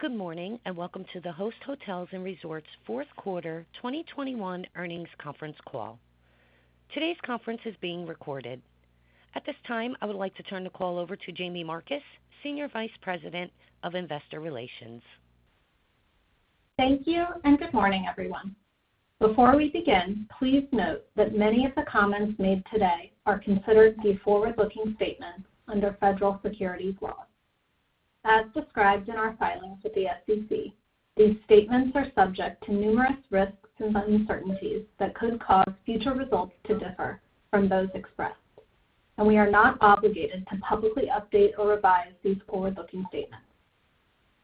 Good morning, and welcome to the Host Hotels & Resorts fourth quarter 2021 earnings conference call. Today's conference is being recorded. At this time, I would like to turn the call over to Jaime Marcus, Senior Vice President of Investor Relations. Thank you and good morning everyone. Before we begin, please note that many of the comments made today are considered forward-looking statements under federal securities laws. As described in our filings with the SEC, these statements are subject to numerous risks and uncertainties that could cause future results to differ from those expressed. We are not obligated to publicly update or revise these forward-looking statements.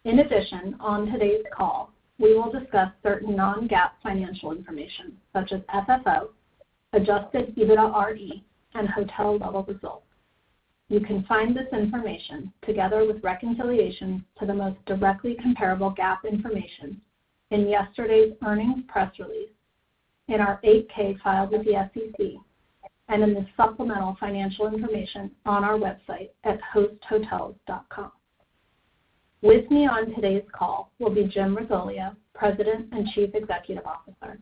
In addition, on today's call, we will discuss certain non-GAAP financial information such as FFO, adjusted EBITDAre, and hotel level results. You can find this information together with reconciliation to the most directly comparable GAAP information in yesterday's earnings press release, in our 8-K filed with the SEC, and in the supplemental financial information on our website at hosthotels.com. With me on today's call will be Jim Risoleo, President and Chief Executive Officer,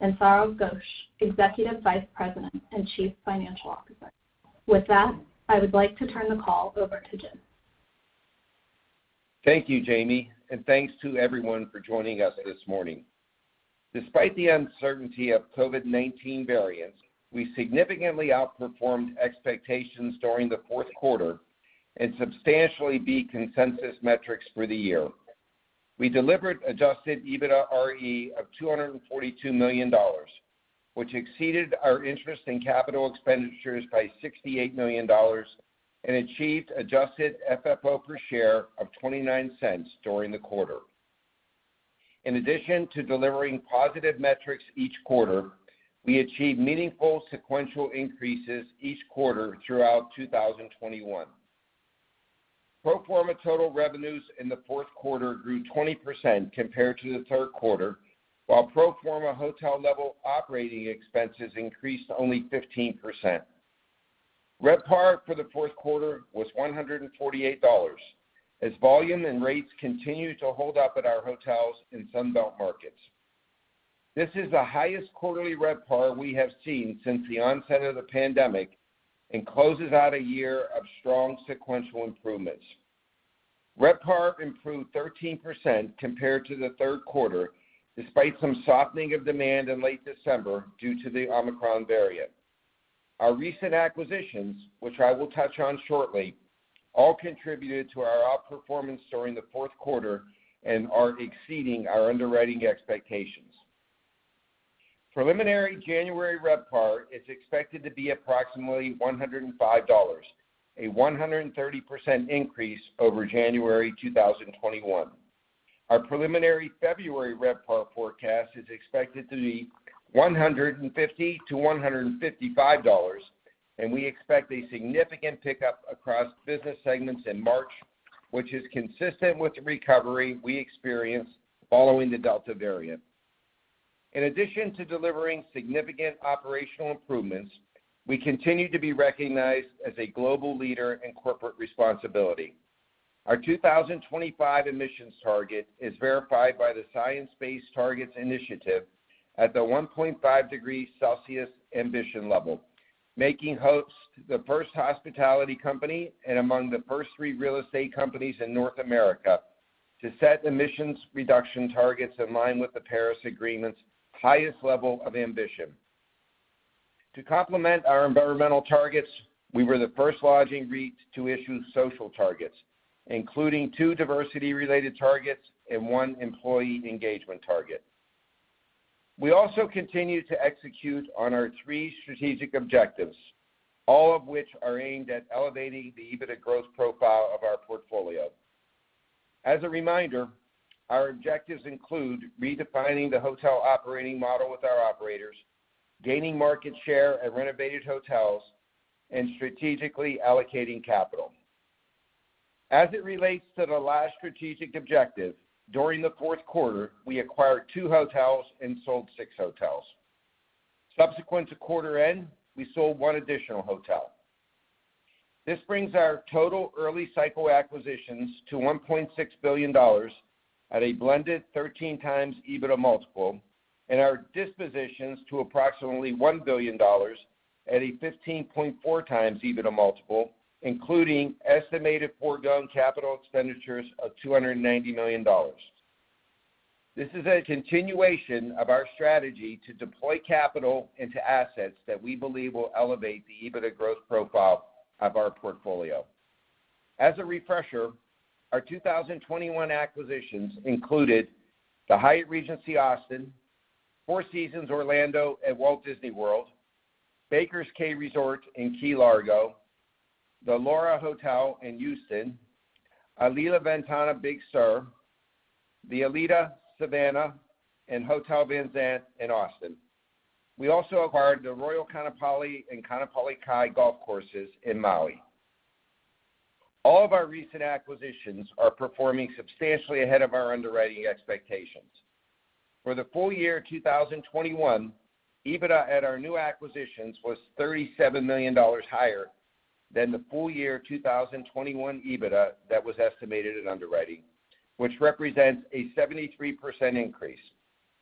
and Sourav Ghosh, Executive Vice President and Chief Financial Officer. With that, I would like to turn the call over to Jim. Thank you, Jaime, and thanks to everyone for joining us this morning. Despite the uncertainty of COVID-19 variants, we significantly outperformed expectations during the fourth quarter and substantially beat consensus metrics for the year. We delivered adjusted EBITDAre of $242 million, which exceeded our interest and capital expenditures by $68 million and achieved adjusted FFO per share of $0.29 during the quarter. In addition to delivering positive metrics each quarter, we achieved meaningful sequential increases each quarter throughout 2021. Pro forma total revenues in the fourth quarter grew 20% compared to the third quarter, while pro forma hotel level operating expenses increased only 15%. RevPAR for the fourth quarter was $148 as volume and rates continued to hold up at our hotels in Sun Belt markets. This is the highest quarterly RevPAR we have seen since the onset of the pandemic and closes out a year of strong sequential improvements. RevPAR improved 13% compared to the third quarter, despite some softening of demand in late December due to the Omicron variant. Our recent acquisitions, which I will touch on shortly, all contributed to our outperformance during the fourth quarter and are exceeding our underwriting expectations. Preliminary January RevPAR is expected to be approximately $105, a 130% increase over January 2021. Our preliminary February RevPAR forecast is expected to be $150-$155, and we expect a significant pickup across business segments in March, which is consistent with the recovery we experienced following the Delta variant. In addition to delivering significant operational improvements, we continue to be recognized as a global leader in corporate responsibility. Our 2025 emissions target is verified by the Science Based Targets initiative at the 1.5 degrees Celsius ambition level, making Host the first hospitality company and among the first three real estate companies in North America to set emissions reduction targets in line with the Paris Agreement's highest level of ambition. To complement our environmental targets, we were the first lodging REIT to issue social targets, including two diversity-related targets and one employee engagement target. We also continue to execute on our three strategic objectives, all of which are aimed at elevating the EBITDA growth profile of our portfolio. As a reminder, our objectives include redefining the hotel operating model with our operators, gaining market share at renovated hotels, and strategically allocating capital. As it relates to the last strategic objective, during the fourth quarter, we acquired two hotels and sold six hotels. Subsequent to quarter end, we sold one additional hotel. This brings our total early cycle acquisitions to $1.6 billion at a blended 13x EBITDA multiple, and our dispositions to approximately $1 billion at a 15.4x EBITDA multiple, including estimated foregone capital expenditures of $290 million. This is a continuation of our strategy to deploy capital into assets that we believe will elevate the EBITDA growth profile of our portfolio. As a refresher, our 2021 acquisitions included the Hyatt Regency Austin, Four Seasons Orlando at Walt Disney World, Baker's Cay Resort in Key Largo, the Laura Hotel in Houston, Alila Ventana Big Sur, the Alida, Savannah, and Hotel Van Zandt in Austin. We also acquired the Royal Kaʻanapali and Kaʻanapali Kai golf courses in Maui. All of our recent acquisitions are performing substantially ahead of our underwriting expectations. For the full year 2021, EBITDA at our new acquisitions was $37 million higher than the full year 2021 EBITDA that was estimated in underwriting, which represents a 73% increase,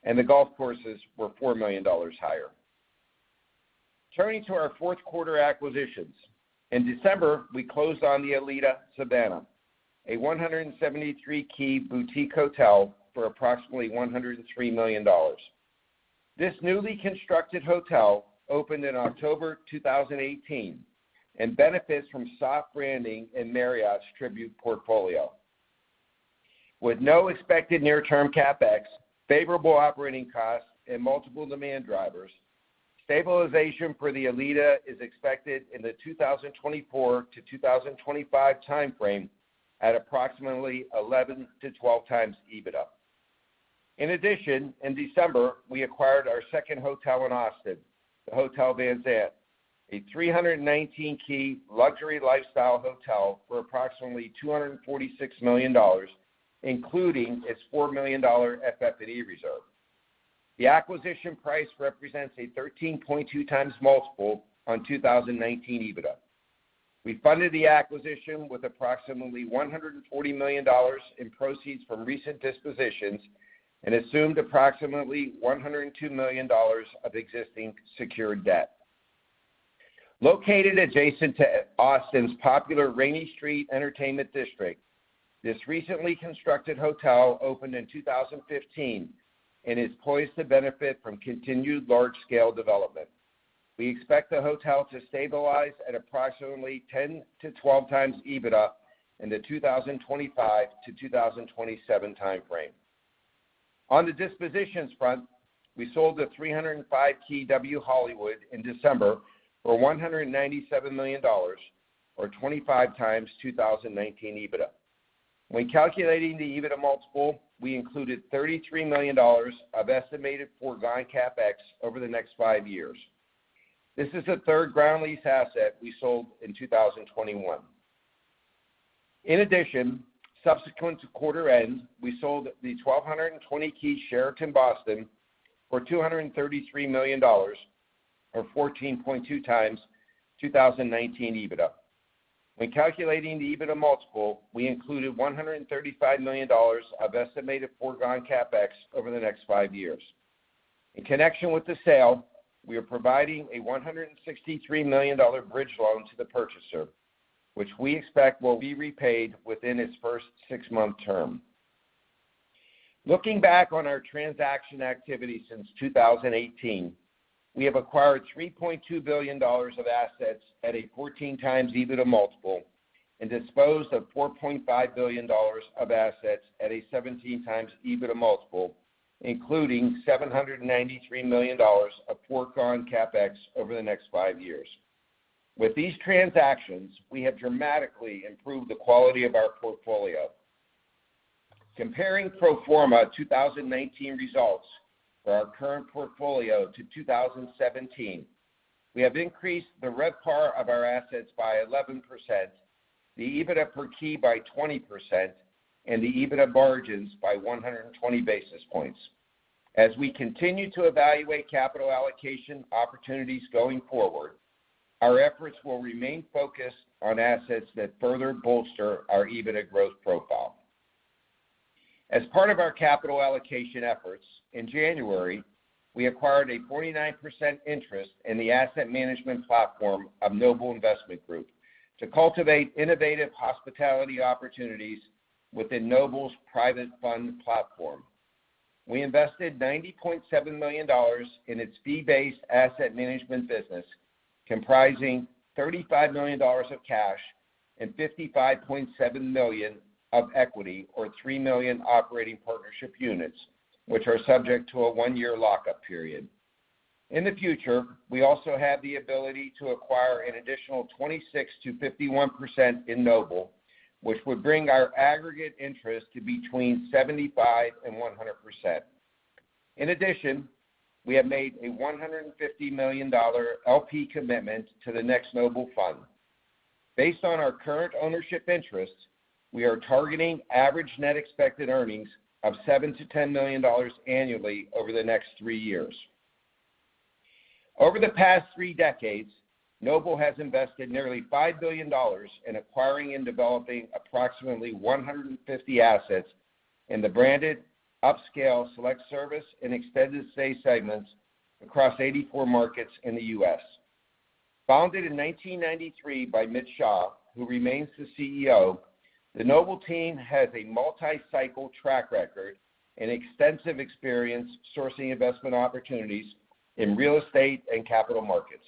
and the golf courses were $4 million higher. Turning to our fourth quarter acquisitions. In December, we closed on The Alida, Savannah, a 173-key boutique hotel for approximately $103 million. This newly constructed hotel opened in October 2018 and benefits from soft branding in Marriott Tribute Portfolio. With no expected near-term CapEx, favorable operating costs, and multiple demand drivers, stabilization for The Alida is expected in the 2024-2025 time frame at approximately 11-12 times EBITDA. In addition, in December, we acquired our second hotel in Austin, the Hotel Van Zandt, a 319-key luxury lifestyle hotel for approximately $246 million, including its $4 million FF&E reserve. The acquisition price represents a 13.2x multiple on 2019 EBITDA. We funded the acquisition with approximately $140 million in proceeds from recent dispositions and assumed approximately $102 million of existing secured debt. Located adjacent to Austin's popular Rainey Street Entertainment District, this recently constructed hotel opened in 2015 and is poised to benefit from continued large-scale development. We expect the hotel to stabilize at approximately 10-12x EBITDA in the 2025-2027 time frame. On the dispositions front, we sold the 305-key W Hollywood in December for $197 million or 25 times 2019 EBITDA. When calculating the EBITDA multiple, we included $33 million of estimated foregone CapEx over the next five years. This is the third ground lease asset we sold in 2021. In addition, subsequent to quarter end, we sold the 1,220-key Sheraton Boston for $233 million or 14.2x 2019 EBITDA. When calculating the EBITDA multiple, we included $135 million of estimated foregone CapEx over the next five years. In connection with the sale, we are providing a $163 million bridge loan to the purchaser, which we expect will be repaid within its first six-month term. Looking back on our transaction activity since 2018, we have acquired $3.2 billion of assets at a 14x EBITDA multiple and disposed of $4.5 billion of assets at a 17x EBITDA multiple, including $793 million of foregone CapEx over the next 5 years. With these transactions, we have dramatically improved the quality of our portfolio. Comparing pro forma 2019 results for our current portfolio to 2017, we have increased the RevPAR of our assets by 11%, the EBITDA per key by 20%, and the EBITDA margins by 120 basis points. As we continue to evaluate capital allocation opportunities going forward, our efforts will remain focused on assets that further bolster our EBITDA growth profile. As part of our capital allocation efforts, in January, we acquired a 49% interest in the asset management platform of Noble Investment Group to cultivate innovative hospitality opportunities within Noble's private fund platform. We invested $90.7 million in its fee-based asset management business, comprising $35 million of cash and $55.7 million of equity or 3 million operating partnership units, which are subject to a one year lock-up period. In the future, we also have the ability to acquire an additional 26%-51% in Noble, which would bring our aggregate interest to between 75% and 100%. In addition, we have made a $150 million LP commitment to the next Noble fund. Based on our current ownership interests, we are targeting average net expected earnings of $7 million-$10 million annually over the next three years. Over the past three decades, Noble has invested nearly $5 billion in acquiring and developing approximately 150 assets in the branded, upscale, select service, and extended stay segments across 84 markets in the U.S. Founded in 1993 by Mit Shah, who remains the CEO, the Noble team has a multi-cycle track record and extensive experience sourcing investment opportunities in real estate and capital markets.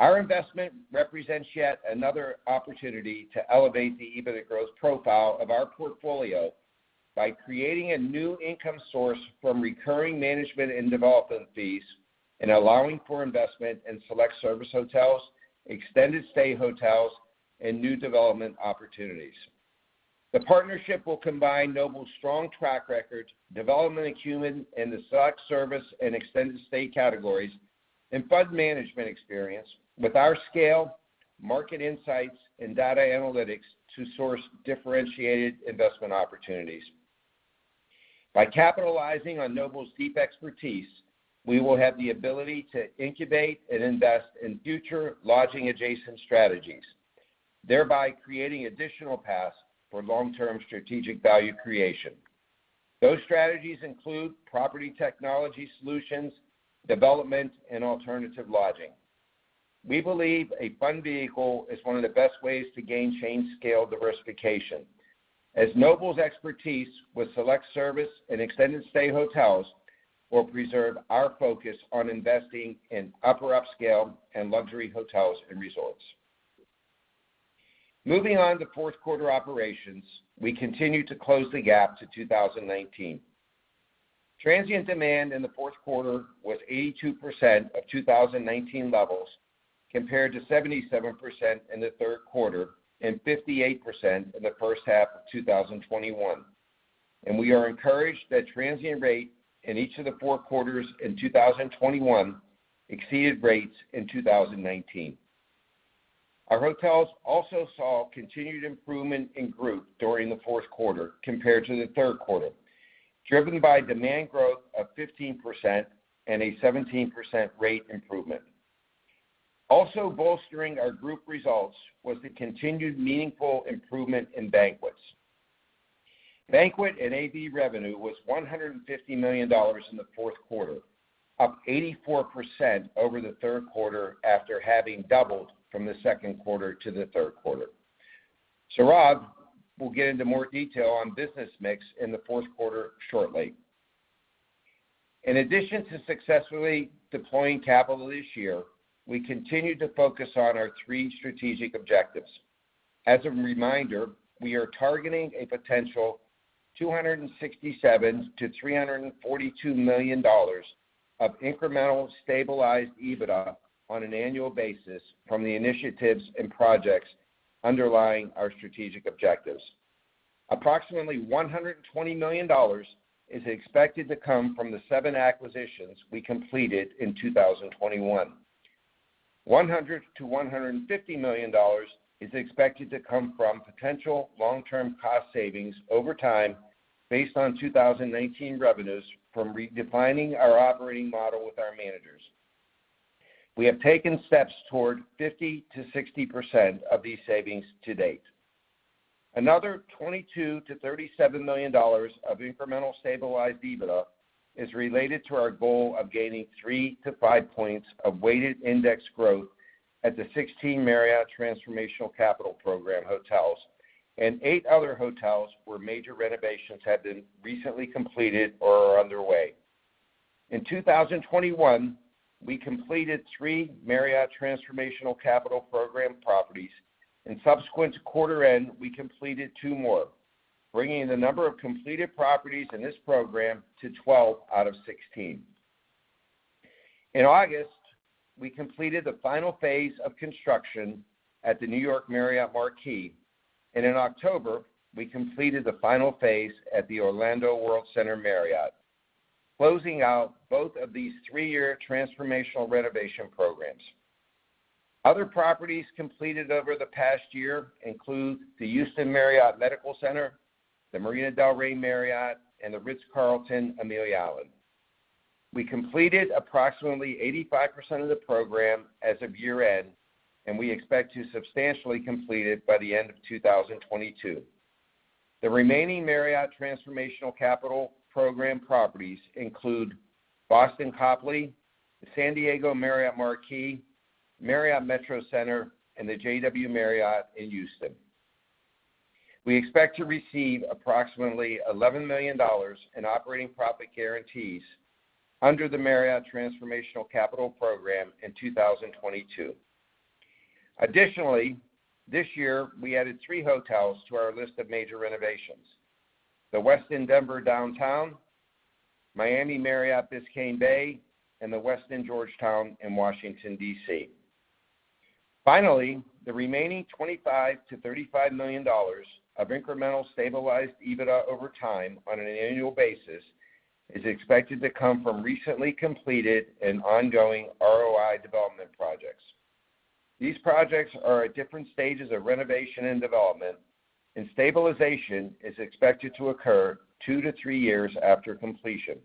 Our investment represents yet another opportunity to elevate the EBITDA growth profile of our portfolio by creating a new income source from recurring management and development fees and allowing for investment in select service hotels, extended stay hotels, and new development opportunities. The partnership will combine Noble's strong track record, development acumen in the select service and extended stay categories and fund management experience with our scale, market insights, and data analytics to source differentiated investment opportunities. By capitalizing on Noble's deep expertise, we will have the ability to incubate and invest in future lodging adjacent strategies, thereby creating additional paths for long-term strategic value creation. Those strategies include property technology solutions, development, and alternative lodging. We believe a fund vehicle is one of the best ways to gain chain scale diversification, as Noble's expertise with select service and extended stay hotels will preserve our focus on investing in upper upscale and luxury hotels and resorts. Moving on to fourth quarter operations, we continue to close the gap to 2019. Transient demand in the fourth quarter was 82% of 2019 levels, compared to 77% in the third quarter and 58% in the first half of 2021. We are encouraged that transient rate in each of the four quarters in 2021 exceeded rates in 2019. Our hotels also saw continued improvement in group during the fourth quarter compared to the third quarter, driven by demand growth of 15% and a 17% rate improvement. Also bolstering our group results was the continued meaningful improvement in banquets. Banquet and AV revenue was $150 million in the fourth quarter, up 84% over the third quarter after having doubled from the second quarter to the third quarter. Sourav will get into more detail on business mix in the fourth quarter shortly. In addition to successfully deploying capital this year, we continue to focus on our three strategic objectives. As a reminder, we are targeting a potential $267 million-$342 million of incremental stabilized EBITDA on an annual basis from the initiatives and projects underlying our strategic objectives. Approximately $120 million is expected to come from the seven acquisitions we completed in 2021. One hundred to 150 million dollars is expected to come from potential long-term cost savings over time based on 2019 revenues from redefining our operating model with our managers. We have taken steps toward 50%-60% of these savings to date. Another $22 million-$37 million of incremental stabilized EBITDA is related to our goal of gaining three to five points of weighted index growth at the 16 Marriott Transformational Capital Program hotels and eight other hotels where major renovations have been recently completed or are underway. In 2021, we completed three Marriott Transformational Capital Program properties, and subsequent to quarter end, we completed two more, bringing the number of completed properties in this program to 12 out of 16. In August, we completed the final phase of construction at the New York Marriott Marquis, and in October, we completed the final phase at the Orlando World Center Marriott, closing out both of these three-year transformational renovation programs. Other properties completed over the past year include the Houston Marriott Medical Center, the Marina del Rey Marriott, and The Ritz-Carlton, Amelia Island. We completed approximately 85% of the program as of year-end, and we expect to substantially complete it by the end of 2022. The remaining Marriott Transformational Capital Program properties include Boston Marriott Copley Place, San Diego Marriott Marquis & Marina, Washington Marriott at Metro Center, and the JW Marriott Houston by The Galleria. We expect to receive approximately $11 million in operating profit guarantees under the Marriott Transformational Capital Program in 2022. Additionally, this year, we added three hotels to our list of major renovations: The Westin Denver Downtown, Miami Marriott Biscayne Bay, and The Westin Georgetown, in Washington, D.C. Finally, the remaining $25 million-$35 million of incremental stabilized EBITDA over time on an annual basis is expected to come from recently completed and ongoing ROI development projects. These projects are at different stages of renovation and development, and stabilization is expected to occur two to three years after completion.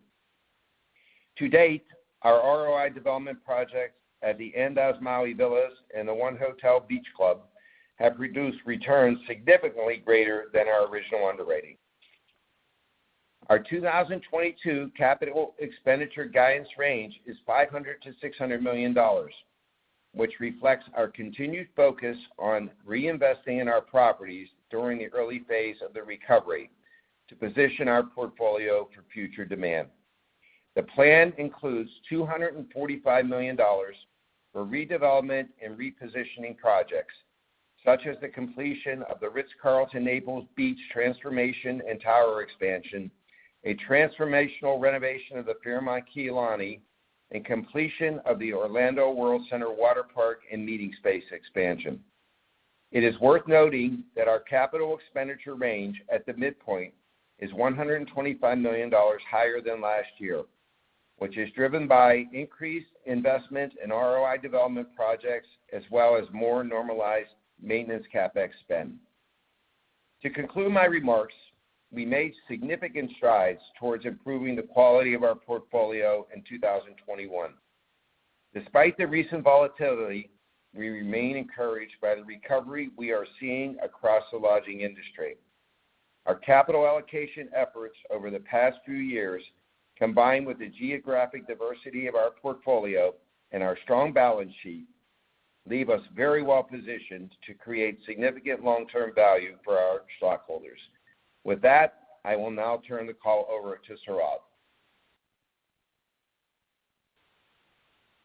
To date, our ROI development projects at the Andaz Maui Villas and the 1 Hotel Beach Club have produced returns significantly greater than our original underwriting. Our 2022 capital expenditure guidance range is $500 million-$600 million, which reflects our continued focus on reinvesting in our properties during the early phase of the recovery to position our portfolio for future demand. The plan includes $245 million for redevelopment and repositioning projects, such as the completion of the Ritz-Carlton Naples Beach transformation and tower expansion, a transformational renovation of the Fairmont Kea Lani, and completion of the Orlando World Center water park and meeting space expansion. It is worth noting that our capital expenditure range at the midpoint is $125 million higher than last year, which is driven by increased investment in ROI development projects, as well as more normalized maintenance CapEx spend. To conclude my remarks, we made significant strides towards improving the quality of our portfolio in 2021. Despite the recent volatility, we remain encouraged by the recovery we are seeing across the lodging industry. Our capital allocation efforts over the past few years, combined with the geographic diversity of our portfolio and our strong balance sheet, leave us very well positioned to create significant long-term value for our stockholders. With that, I will now turn the call over to Sourav.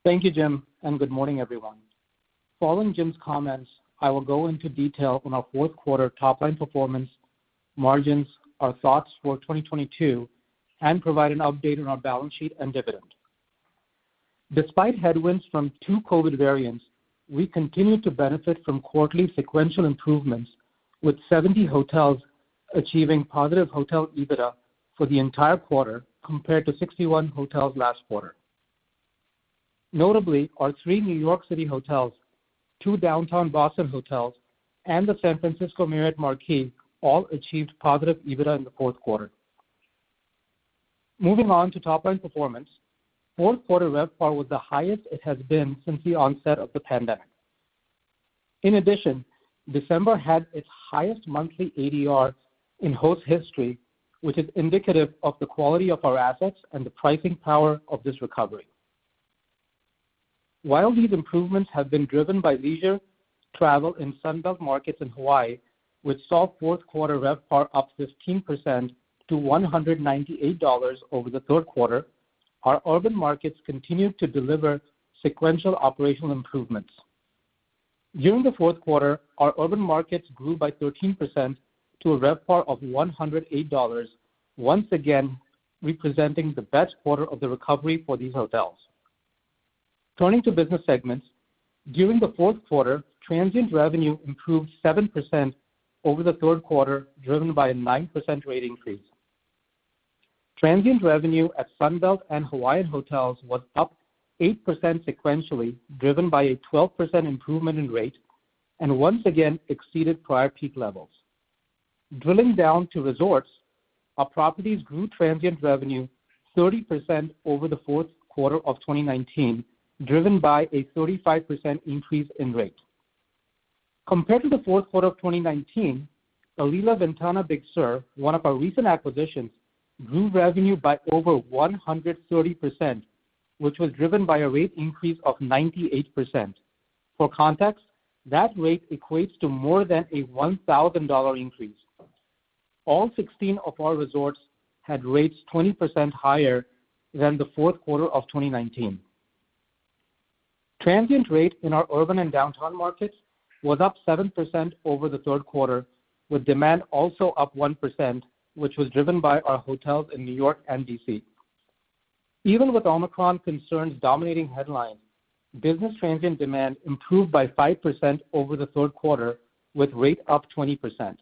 Thank you, Jim, and good morning, everyone. Following Jim's comments, I will go into detail on our fourth quarter top line performance, margins, our thoughts for 2022, and provide an update on our balance sheet and dividend. Despite headwinds from two COVID variants, we continued to benefit from quarterly sequential improvements with 70 hotels achieving positive hotel EBITDA for the entire quarter compared to 61 hotels last quarter. Notably, our three New York City hotels, two downtown Boston hotels, and the San Francisco Marriott Marquis all achieved positive EBITDA in the fourth quarter. Moving on to top line performance. Fourth quarter RevPAR was the highest it has been since the onset of the pandemic. In addition, December had its highest monthly ADR in Host history, which is indicative of the quality of our assets and the pricing power of this recovery. While these improvements have been driven by leisure travel in Sun Belt markets in Hawaii, with fourth quarter RevPAR up 15% to $198 over the third quarter, our urban markets continued to deliver sequential operational improvements. During the fourth quarter, our urban markets grew by 13% to a RevPAR of $108, once again representing the best quarter of the recovery for these hotels. Turning to business segments. During the fourth quarter, transient revenue improved 7% over the third quarter, driven by a 9% rate increase. Transient revenue at Sun Belt and Hawaiian hotels was up 8% sequentially, driven by a 12% improvement in rate and once again exceeded prior peak levels. Drilling down to resorts, our properties grew transient revenue 30% over the fourth quarter of 2019, driven by a 35% increase in rate. Compared to the fourth quarter of 2019, Alila Ventana Big Sur, one of our recent acquisitions, grew revenue by over 130%, which was driven by a rate increase of 98%. For context, that rate equates to more than a $1,000 increase. All 16 of our resorts had rates 20% higher than the fourth quarter of 2019. Transient rate in our urban and downtown markets was up 7% over the third quarter, with demand also up 1%, which was driven by our hotels in New York and D.C. Even with Omicron concerns dominating headlines, business transient demand improved by 5% over the third quarter, with rate up 20%.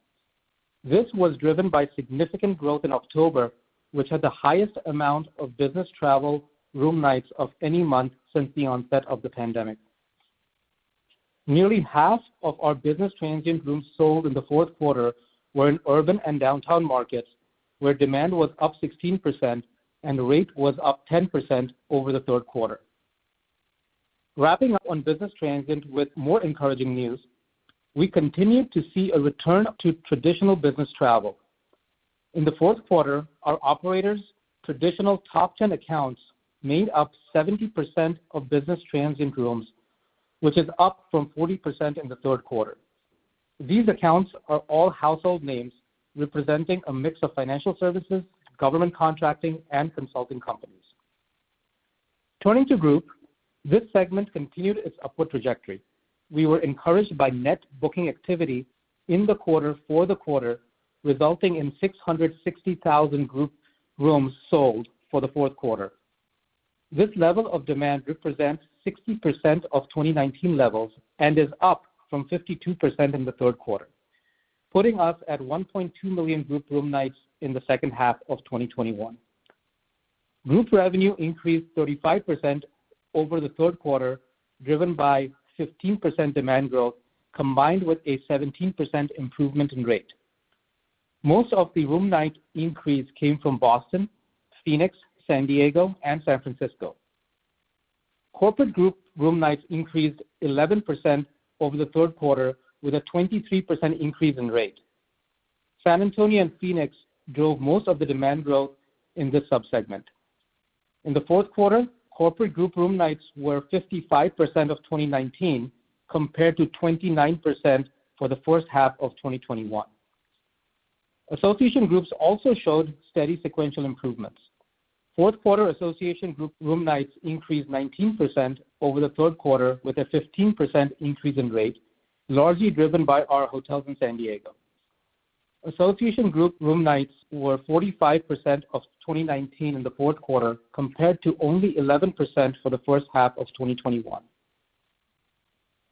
This was driven by significant growth in October, which had the highest amount of business travel room nights of any month since the onset of the pandemic. Nearly half of our Business Transient rooms sold in the fourth quarter were in urban and downtown markets, where demand was up 16% and rate was up 10% over the third quarter. Wrapping up on Business Transient with more encouraging news, we continued to see a return to traditional business travel. In the fourth quarter, our operators' traditional top 10 accounts made up 70% of Business Transient rooms, which is up from 40% in the third quarter. These accounts are all household names representing a mix of financial services, government contracting and consulting companies. Turning to Group, this segment continued its upward trajectory. We were encouraged by net booking activity in the quarter for the quarter, resulting in 660,000 group rooms sold for the fourth quarter. This level of demand represents 60% of 2019 levels and is up from 52% in the third quarter, putting us at 1.2 million group room nights in the second half of 2021. Group revenue increased 35% over the third quarter, driven by 15% demand growth, combined with a 17% improvement in rate. Most of the room night increase came from Boston, Phoenix, San Diego and San Francisco. Corporate group room nights increased 11% over the third quarter with a 23% increase in rate. San Antonio and Phoenix drove most of the demand growth in this subsegment. In the fourth quarter, corporate group room nights were 55% of 2019, compared to 29% for the first half of 2021. Association groups also showed steady sequential improvements. Fourth quarter association group room nights increased 19% over the third quarter with a 15% increase in rate, largely driven by our hotels in San Diego. Association group room nights were 45% of 2019 in the fourth quarter, compared to only 11% for the first half of 2021.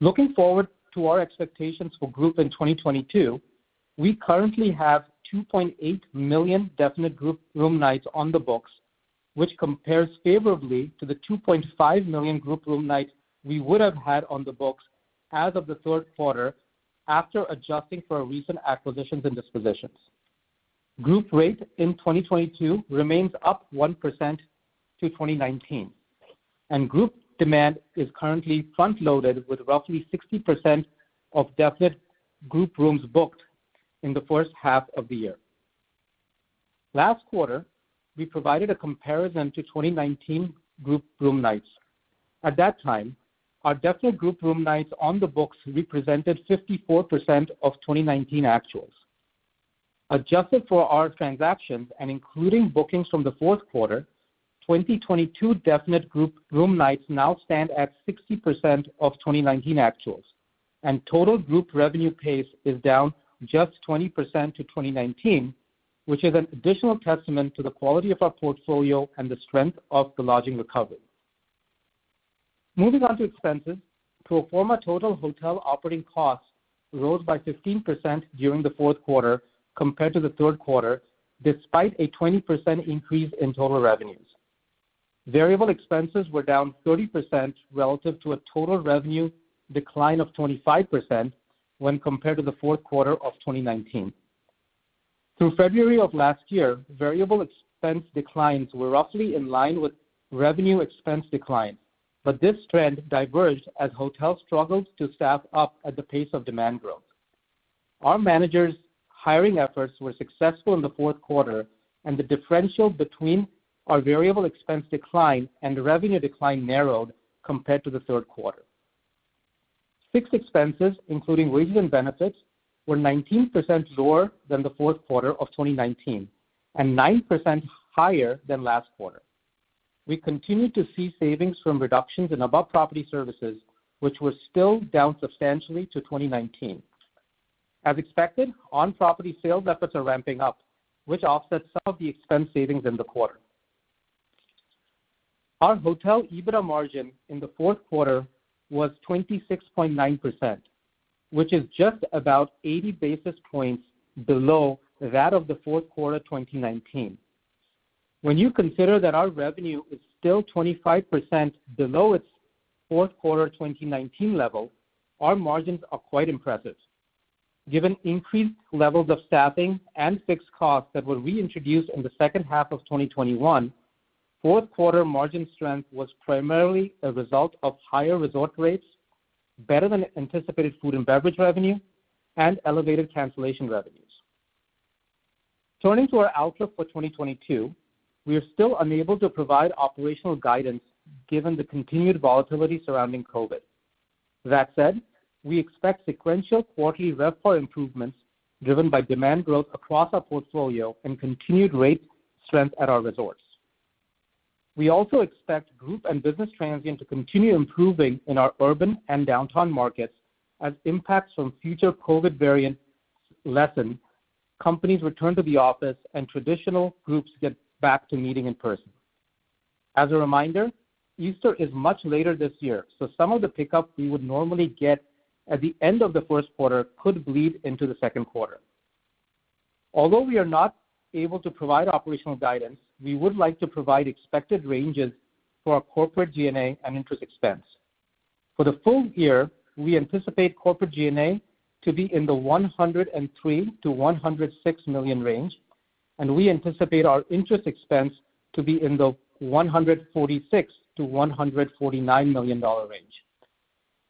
Looking forward to our expectations for group in 2022, we currently have 2.8 million definite group room nights on the books, which compares favorably to the 2.5 million group room nights we would have had on the books as of the third quarter after adjusting for our recent acquisitions and dispositions. Group rate in 2022 remains up 1% to 2019, and group demand is currently front-loaded with roughly 60% of definite group rooms booked in the first half of the year. Last quarter, we provided a comparison to 2019 group room nights. At that time, our definite group room nights on the books represented 54% of 2019 actuals. Adjusted for our transactions and including bookings from the fourth quarter, 2022 definite group room nights now stand at 60% of 2019 actuals, and total group revenue pace is down just 20% to 2019, which is an additional testament to the quality of our portfolio and the strength of the lodging recovery. Moving on to expenses. Pro forma total hotel operating costs rose by 15% during the fourth quarter compared to the third quarter, despite a 20% increase in total revenues. Variable expenses were down 30% relative to a total revenue decline of 25% when compared to the fourth quarter of 2019. Through February of last year, variable expense declines were roughly in line with revenue expense decline, but this trend diverged as hotels struggled to staff up at the pace of demand growth. Our managers' hiring efforts were successful in the fourth quarter and the differential between our variable expense decline and revenue decline narrowed compared to the third quarter. Fixed expenses, including wages and benefits, were 19% lower than the fourth quarter of 2019 and 9% higher than last quarter. We continued to see savings from reductions in above property services, which were still down substantially to 2019. As expected, on-property sales efforts are ramping up, which offsets some of the expense savings in the quarter. Our hotel EBITDA margin in the fourth quarter was 26.9%, which is just about 80 basis points below that of the fourth quarter of 2019. When you consider that our revenue is still 25% below its fourth quarter 2019 level, our margins are quite impressive. Given increased levels of staffing and fixed costs that were reintroduced in the second half of 2021, fourth quarter margin strength was primarily a result of higher resort rates, better than anticipated food and beverage revenue, and elevated cancellation revenues. Turning to our outlook for 2022, we are still unable to provide operational guidance given the continued volatility surrounding COVID-19. That said, we expect sequential quarterly RevPAR improvements driven by demand growth across our portfolio and continued rate strength at our resorts. We also expect group and business transient to continue improving in our urban and downtown markets as impacts from future COVID-19 variants lessen, companies return to the office, and traditional groups get back to meeting in person. As a reminder, Easter is much later this year, so some of the pickup we would normally get at the end of the first quarter could bleed into the second quarter. Although we are not able to provide operational guidance, we would like to provide expected ranges for our corporate G&A and interest expense. For the full year, we anticipate corporate G&A to be in the $103 million-$106 million range, and we anticipate our interest expense to be in the $146 million-$149 million range.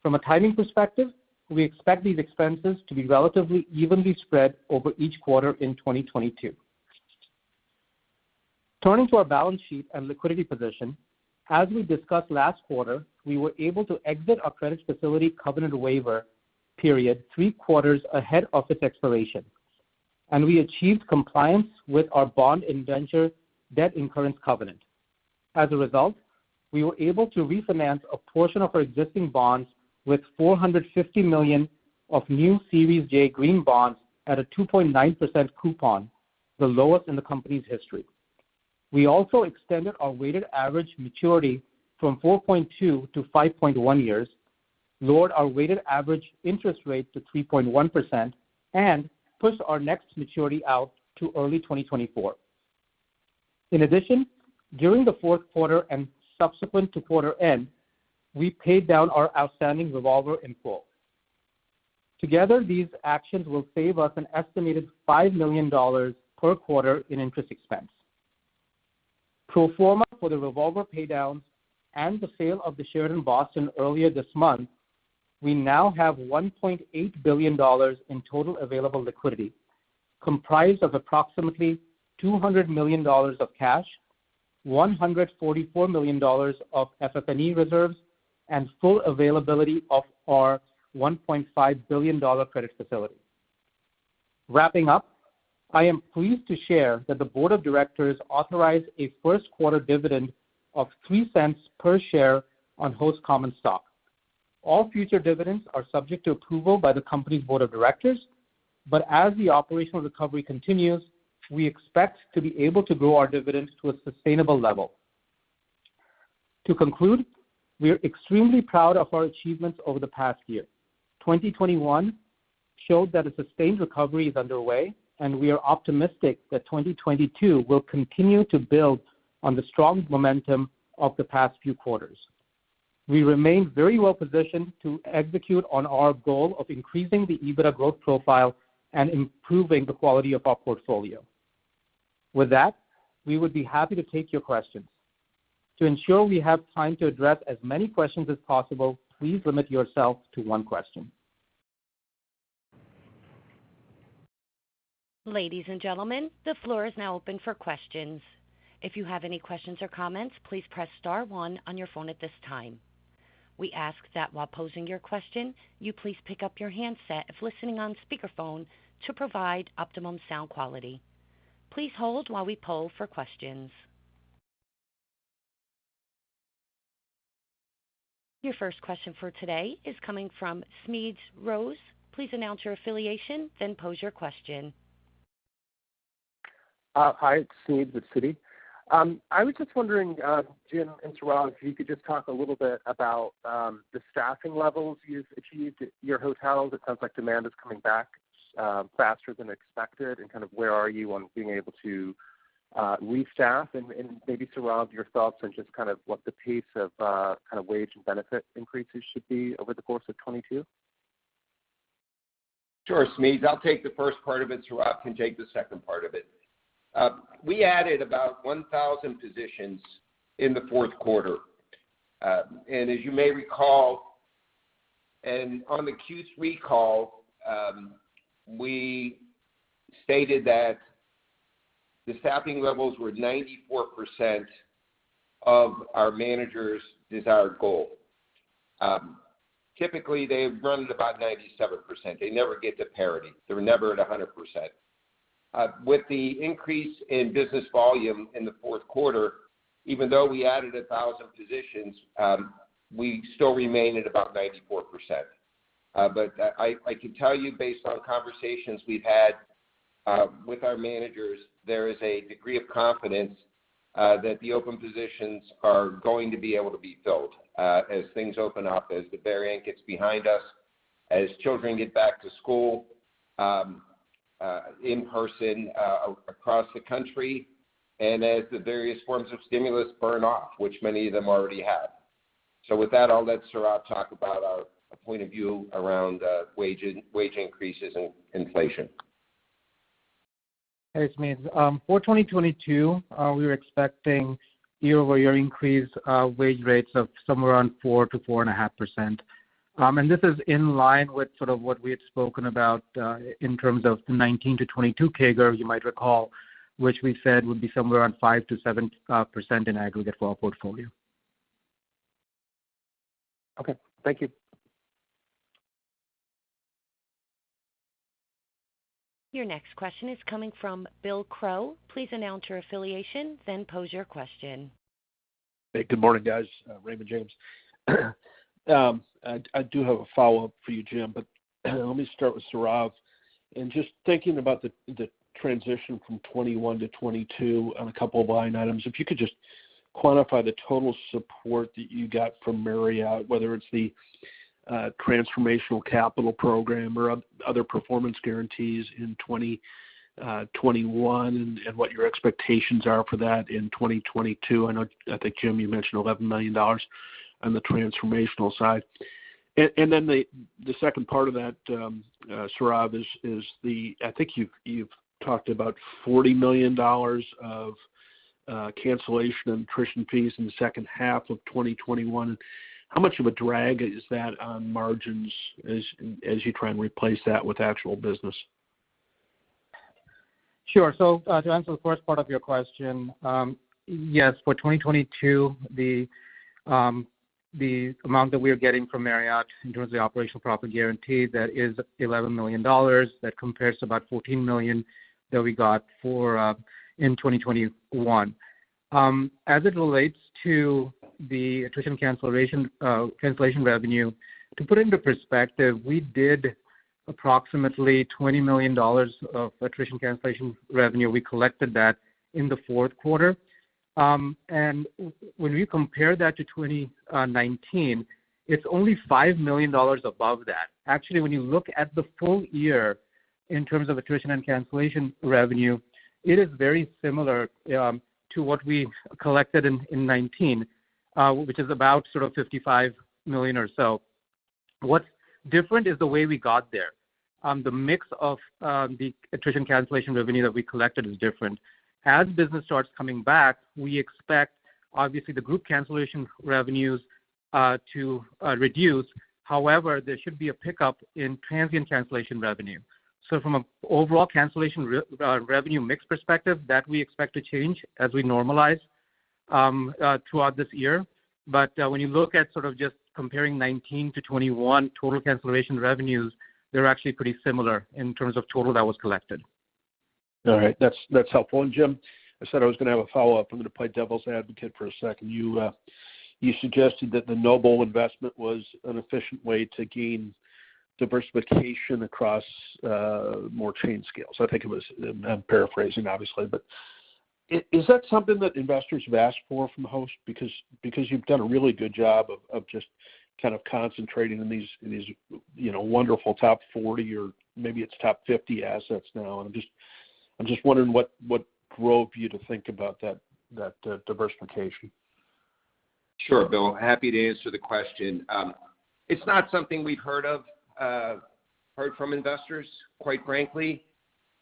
From a timing perspective, we expect these expenses to be relatively evenly spread over each quarter in 2022. Turning to our balance sheet and liquidity position. As we discussed last quarter, we were able to exit our credit facility covenant waiver period three quarters ahead of its expiration, and we achieved compliance with our bond indenture debt incurrence covenant. As a result, we were able to refinance a portion of our existing bonds with $450 million of new Series J Green Bonds at a 2.9% coupon, the lowest in the company's history. We also extended our weighted average maturity from 4.2-5.1 years, lowered our weighted average interest rate to 3.1%, and pushed our next maturity out to early 2024. In addition, during the fourth quarter and subsequent to quarter end, we paid down our outstanding revolver in full. Together, these actions will save us an estimated $5 million per quarter in interest expense. Pro forma for the revolver paydowns and the sale of the Sheraton Boston earlier this month, we now have $1.8 billion in total available liquidity, comprised of approximately $200 million of cash, $144 million of FF&E reserves, and full availability of our $1.5 billion credit facility. Wrapping up, I am pleased to share that the board of directors authorized a first quarter dividend of $0.03 per share on Host common stock. All future dividends are subject to approval by the company's board of directors. As the operational recovery continues, we expect to be able to grow our dividends to a sustainable level. To conclude, we are extremely proud of our achievements over the past year. 2021 showed that a sustained recovery is underway, and we are optimistic that 2022 will continue to build on the strong momentum of the past few quarters. We remain very well positioned to execute on our goal of increasing the EBITDA growth profile and improving the quality of our portfolio. With that, we would be happy to take your questions. To ensure we have time to address as many questions as possible, please limit yourself to one question. Ladies and gentlemen, the floor is now open for questions. If you have any questions or comments, please press star one on your phone at this time. We ask that while posing your question, you please pick up your handset if listening on speakerphone to provide optimum sound quality. Please hold while we poll for questions. Your first question for today is coming from Smedes Rose. Please announce your affiliation, then pose your question. Hi it's Smedes Rose with Citi. I was just wondering, Jim and Sourav, if you could just talk a little bit about the staffing levels you've achieved at your hotels. It sounds like demand is coming back faster than expected and kind of where are you on being able to restaff? Maybe, Sourav, your thoughts on just kind of what the pace of kind of wage and benefit increases should be over the course of 2022. Sure Smedes. I'll take the first part of it. Sourav can take the second part of it. We added about 1,000 positions in the fourth quarter. As you may recall, on the Q3 call, we stated that the staffing levels were 94% of our managers' desired goal. Typically, they run at about 97%. They never get to parity. They're never at 100%. With the increase in business volume in the fourth quarter, even though we added 1,000 positions, we still remain at about 94%. I can tell you based on conversations we've had with our managers, there is a degree of confidence that the open positions are going to be able to be filled as things open up, as the variant gets behind us, as children get back to school in person across the country, and as the various forms of stimulus burn off, which many of them already have. With that, I'll let Sourav talk about our point of view around wages, wage increases and inflation. Thanks, Smedes. For 2022, we're expecting year-over-year increase in wage rates of somewhere around 4%-4.5%. This is in line with sort of what we had spoken about in terms of the 2019-2022 CAGR, you might recall, which we said would be somewhere around 5%-7% in aggregate for our portfolio. Okay thank you. Your next question is coming from Bill Crow. Please announce your affiliation, then pose your question. Hey good morning guys, Raymond James. I do have a follow-up for you, Jim, but let me start with Sourav. Just thinking about the transition from 2021 to 2022 on a couple of line items, if you could just quantify the total support that you got from Marriott, whether it's the Marriott Transformational Capital Program or other performance guarantees in 2021 and what your expectations are for that in 2022. I know I think, Jim, you mentioned $11 million on the transformational side. Then the second part of that, Sourav, is I think you've talked about $40 million of cancellation and attrition fees in the second half of 2021. How much of a drag is that on margins as you try and replace that with actual business? Sure to answer the first part of your question. Yes for 2022, the amount that we are getting from Marriott in terms of the operational profit guarantee, that is $11 million. That compares to about $14 million that we got for in 2021. As it relates to the attrition cancellation revenue, to put it into perspective, we did approximately $20 million of attrition cancellation revenue. We collected that in the fourth quarter. When you compare that to 2019, it's only $5 million above that. Actually, when you look at the full year in terms of attrition and cancellation revenue, it is very similar to what we collected in 2019, which is about sort of $55 million or so. What's different is the way we got there. The mix of the attrition cancellation revenue that we collected is different. As business starts coming back, we expect obviously the group cancellation revenues to reduce. However, there should be a pickup in transient cancellation revenue. From an overall cancellation revenue mix perspective, that we expect to change as we normalize throughout this year. When you look at sort of just comparing 2019 to 2021 total cancellation revenues, they're actually pretty similar in terms of total that was collected. All right that's helpful. Jim, I said I was gonna have a follow-up. I'm gonna play devil's advocate for a second, you suggested that the Noble Investment was an efficient way to gain diversification across more chain scales. I think it was. I'm paraphrasing, obviously, but is that something that investors have asked for from Host? Because you've done a really good job of just kind of concentrating on these, you know, wonderful top 40 or maybe it's top 50 assets now. I'm just wondering what drove you to think about that diversification. Sure Bill happy to answer the question. It's not something we've heard from investors, quite frankly.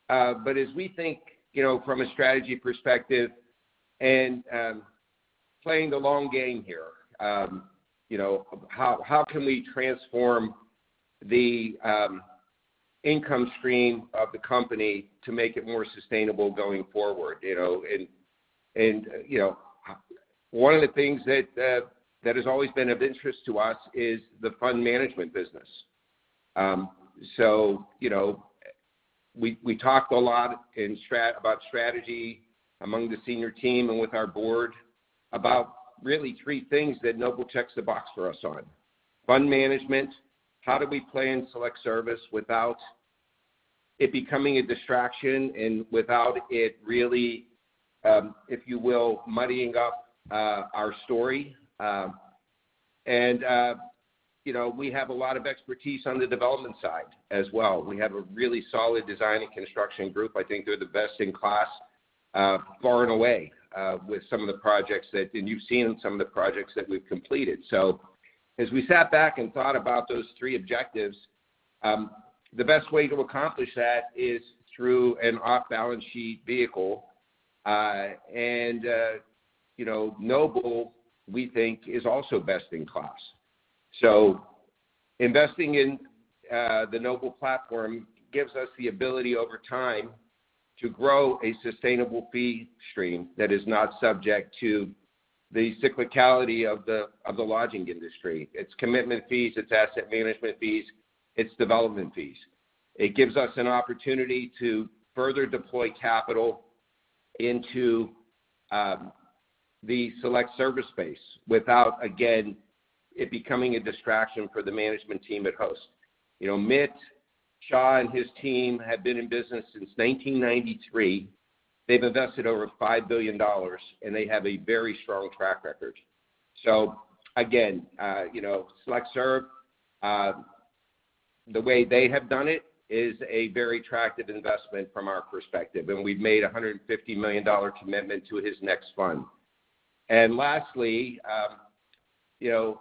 As we think, you know, from a strategy perspective and playing the long game here, you know, how can we transform the income stream of the company to make it more sustainable going forward, you know? You know, one of the things that has always been of interest to us is the fund management business. You know, we talked a lot about strategy among the senior team and with our board about really three things that Noble checks the box for us on. Fund management, how do we play in select service without it becoming a distraction and without it really, if you will, muddying up our story. You know, we have a lot of expertise on the development side as well. We have a really solid design and construction group. I think they're the best in class, far and away, with some of the projects you've seen in some of the projects that we've completed. As we sat back and thought about those three objectives, the best way to accomplish that is through an off-balance sheet vehicle. you know, Noble, we think is also best in class. Investing in, the Noble platform gives us the ability over time to grow a sustainable fee stream that is not subject to the cyclicality of the lodging industry, its commitment fees, its asset management fees, its development fees. It gives us an opportunity to further deploy capital into the select-service space without, again, it becoming a distraction for the management team at Host. You know, Mit Shah and his team have been in business since 1993. They've invested over $5 billion, and they have a very strong track record. Again, you know, select-service the way they have done it is a very attractive investment from our perspective, and we've made a $150 million commitment to his next fund. Lastly, you know,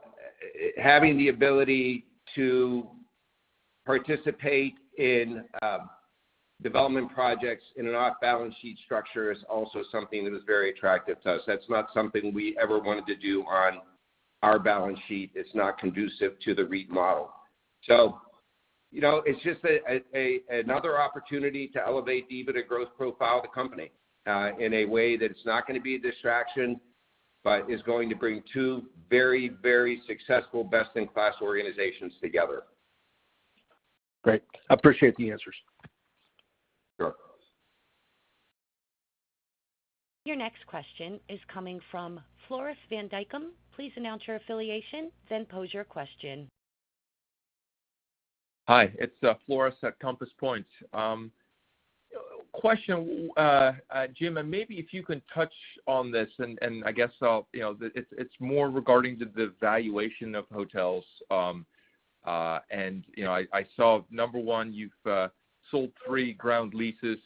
having the ability to participate in development projects in an off-balance sheet structure is also something that is very attractive to us. That's not something we ever wanted to do on our balance sheet. It's not conducive to the REIT model. You know, it's just another opportunity to elevate the EBITDA growth profile of the company, in a way that it's not gonna be a distraction, but is going to bring two very, very successful best-in-class organizations together. Great. I appreciate the answers. Sure. Your next question is coming from Floris van Dijkum. Please announce your affiliation then pose your question. Hi it's Floris at Compass Point. Question, Jim, and maybe if you can touch on this and I guess I'll. You know, it's more regarding the valuation of hotels. And you know, I saw, number one, you've sold three ground leases.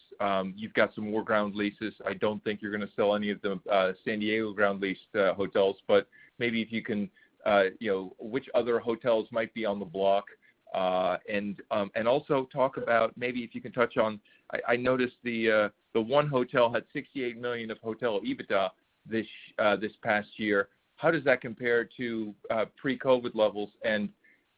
You've got some more ground leases. I don't think you're gonna sell any of the San Diego ground-leased hotels, but maybe if you can, you know, which other hotels might be on the block. And also talk about maybe if you can touch on. I noticed the one Hotel had $68 million of hotel EBITDA this past year. How does that compare to pre-COVID levels.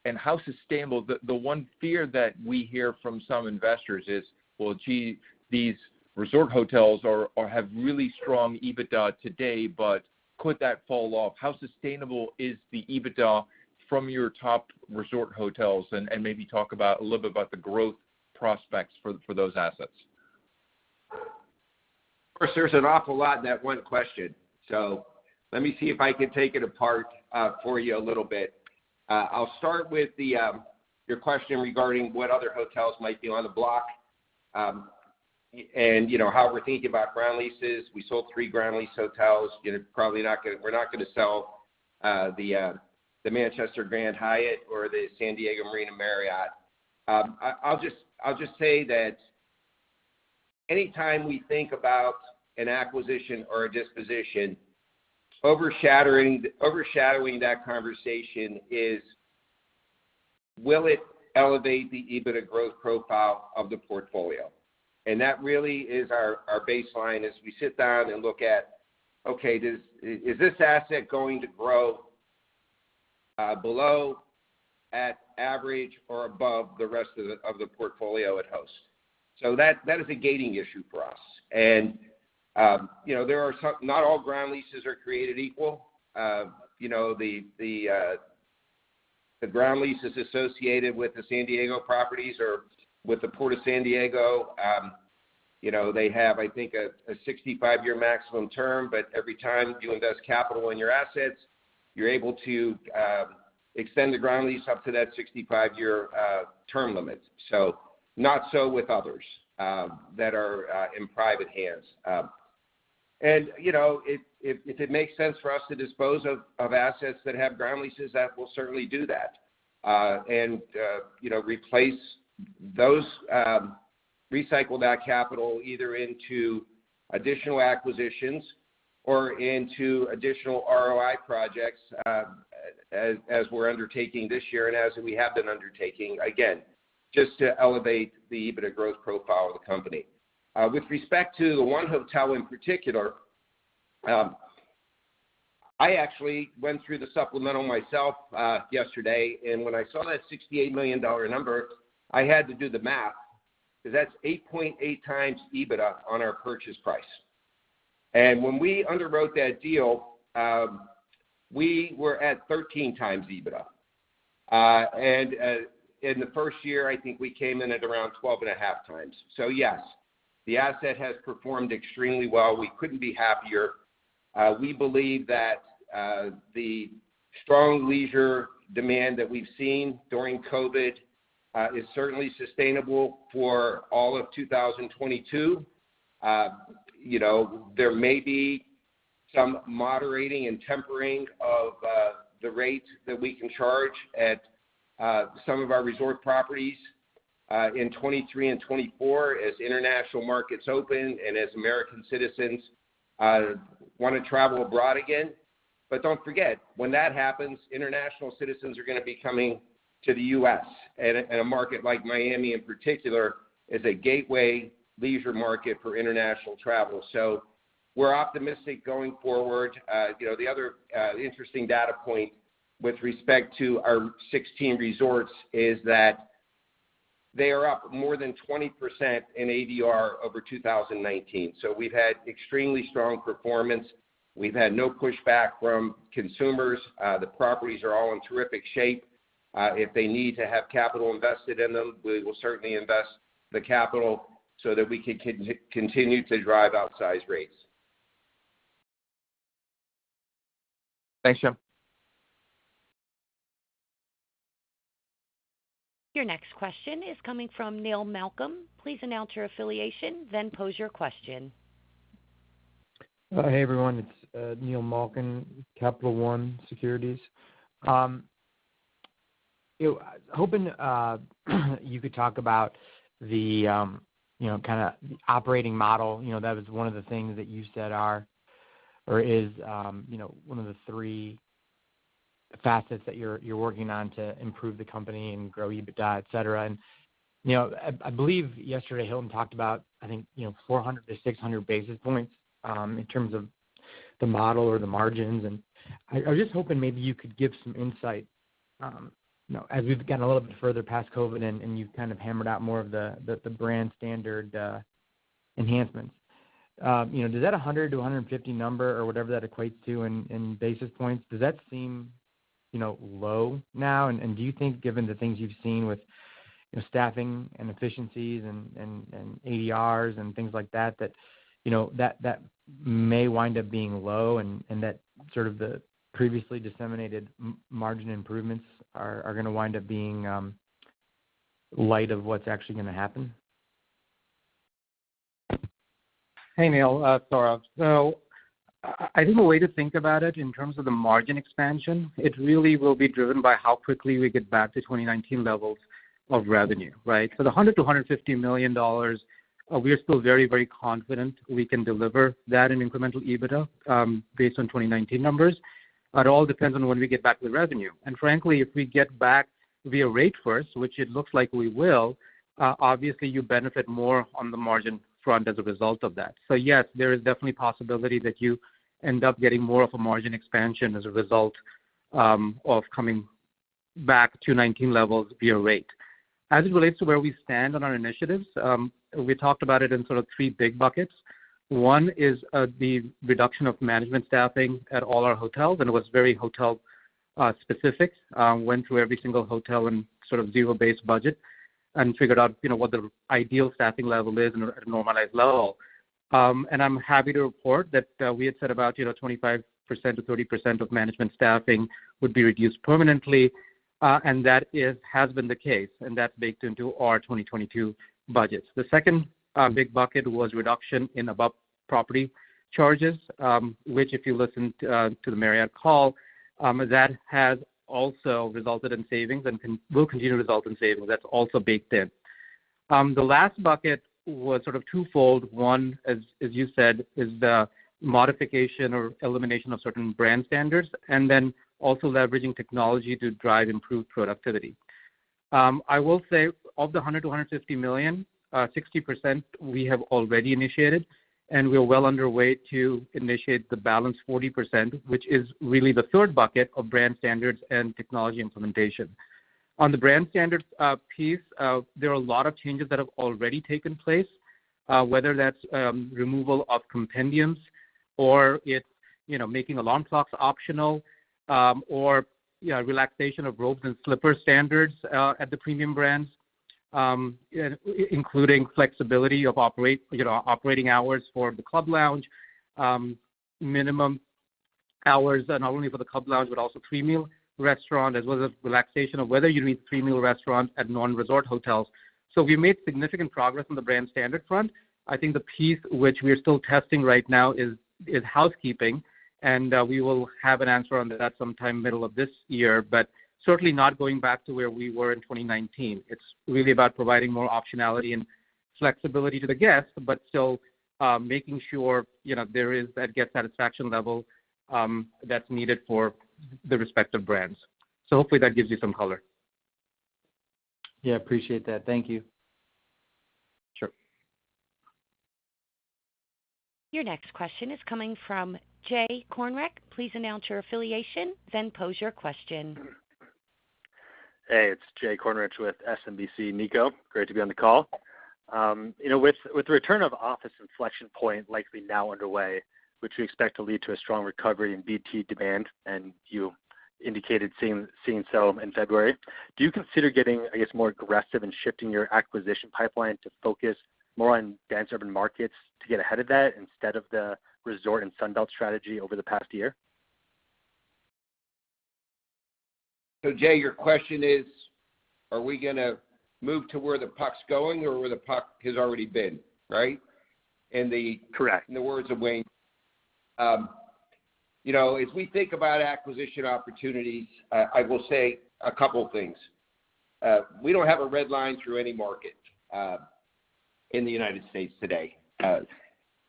And how sustainable. The one fear that we hear from some investors is, well, gee, these resort hotels have really strong EBITDA today, but could that fall off? How sustainable is the EBITDA from your top resort hotels? Maybe talk about a little bit about the growth prospects for those assets. Of course, there's an awful lot in that one question, so let me see if I can take it apart for you a little bit. I'll start with your question regarding what other hotels might be on the block, and, you know, how we're thinking about ground leases. We sold three ground lease hotels. You know, probably not gonna—we're not gonna sell the Manchester Grand Hyatt or the San Diego Marriott Marquis & Marina. I'll just say that anytime we think about an acquisition or a disposition, overshadowing that conversation is will it elevate the EBITDA growth profile of the portfolio? That really is our baseline as we sit down and look at, okay, does this asset going to grow below or at average or above the rest of the portfolio at Host? That is a gating issue for us. You know, not all ground leases are created equal. You know, the ground leases associated with the San Diego properties or with the Port of San Diego, you know, they have, I think, a 65-year maximum term, but every time you invest capital in your assets, you're able to extend the ground lease up to that 65-year term limit. Not so with others that are in private hands. You know, if it makes sense for us to dispose of assets that have ground leases, that we'll certainly do that, and you know, replace those, recycle that capital either into additional acquisitions or into additional ROI projects, as we're undertaking this year and as we have been undertaking, again, just to elevate the EBITDA growth profile of the company. With respect to the one hotel in particular, I actually went through the supplemental myself, yesterday, and when I saw that $68 million number, I had to do the math because that's 8.8x EBITDA on our purchase price. When we underwrote that deal, we were at 13x EBITDA. In the first year, I think we came in at around 12.5x. Yes, the asset has performed extremely well. We couldn't be happier. We believe that the strong leisure demand that we've seen during COVID is certainly sustainable for all of 2022. You know, there may be some moderating and tempering of the rate that we can charge at some of our resort properties in 2023 and 2024 as international markets open and as American citizens wanna travel abroad again. Don't forget, when that happens, international citizens are gonna be coming to the U.S., and a market like Miami in particular is a gateway leisure market for international travel. We're optimistic going forward. You know, the other interesting data point with respect to our 16 resorts is that they are up more than 20% in ADR over 2019. We've had extremely strong performance. We've had no pushback from consumers. The properties are all in terrific shape. If they need to have capital invested in them, we will certainly invest the capital so that we can continue to drive outsized rates. Thanks Jim. Your next question is coming from Neil Malkin. Please announce your affiliation, then pose your question. Hey everyone. It's Neil Malkin, Capital One Securities. You know, hoping you could talk about the, you know, kinda operating model, you know. That was one of the things that you said are or is, you know, one of the three facets that you're working on to improve the company and grow EBITDA, et cetera. You know, I believe yesterday Hilton talked about, I think, you know, 400-600 basis points in terms of the model or the margins. I was just hoping maybe you could give some insight, you know, as we've gotten a little bit further past COVID and you've kind of hammered out more of the brand standard enhancements. You know, does that 100 to 150 number or whatever that equates to in basis points seem low now? Do you think given the things you've seen with staffing and efficiencies and ADRs and things like that may wind up being low and that sort of the previously disseminated margin improvements are gonna wind up being light of what's actually gonna happen? Hey Neil, I'm Sourav. I think a way to think about it in terms of the margin expansion, it really will be driven by how quickly we get back to 2019 levels of revenue, right? The $100 million-$150 million we are still very, very confident we can deliver that in incremental EBITDA, based on 2019 numbers. It all depends on when we get back to the revenue. Frankly, if we get back via rate first, which it looks like we will, obviously you benefit more on the margin front as a result of that. Yes, there is definitely possibility that you end up getting more of a margin expansion as a result, of coming back to 2019 levels via rate. As it relates to where we stand on our initiatives, we talked about it in sort of three big buckets. One is the reduction of management staffing at all our hotels, and it was very hotel specific. Went through every single hotel and sort of zero-based budget and figured out, you know, what the ideal staffing level is in a, at a normalized level. And I'm happy to report that we had said about, you know, 25% to 30% of management staffing would be reduced permanently, and that is, has been the case, and that's baked into our 2022 budgets. The second big bucket was reduction in above property charges, which if you listened to the Marriott call, that has also resulted in savings and will continue to result in savings. That's also baked in. The last bucket was sort of twofold. One, as you said, is the modification or elimination of certain brand standards, and then also leveraging technology to drive improved productivity. I will say of the $100 million-$150 million, 60% we have already initiated, and we're well underway to initiate the balance 40%, which is really the third bucket of brand standards and technology implementation. On the brand standards piece, there are a lot of changes that have already taken place, whether that's removal of compendiums or it's, you know, making alarm clocks optional, or, you know, relaxation of robes and slipper standards at the premium brands, including flexibility of you know, operating hours for the club lounge, minimum hours not only for the club lounge but also three-meal restaurant, as well as relaxation of whether you need three-meal restaurants at non-resort hotels. We made significant progress on the brand standard front. I think the piece which we are still testing right now is housekeeping, and we will have an answer on that sometime middle of this year. But certainly not going back to where we were in 2019. It's really about providing more optionality and flexibility to the guest, but still making sure, you know, there is that guest satisfaction level that's needed for the respective brands. Hopefully that gives you some color. Yeah appreciate that. Thank you. Sure. Your next question is coming from Jay Kornreich. Please announce your affiliation, then pose your question. Hey it's Jay Kornreich with SMBC Nikko. Great to be on the call. You know, with the return of office inflection point likely now underway, which we expect to lead to a strong recovery in BT demand, and you indicated seeing so in February, do you consider getting, I guess, more aggressive in shifting your acquisition pipeline to focus more on dense urban markets to get ahead of that instead of the resort and Sunbelt strategy over the past year? Jay your question is, are we gonna move to where the puck's going or where the puck has already been, right? In the- Correct. In the words of Wayne. You know, as we think about acquisition opportunities, I will say a couple things. We don't have a red line through any market in the United States today,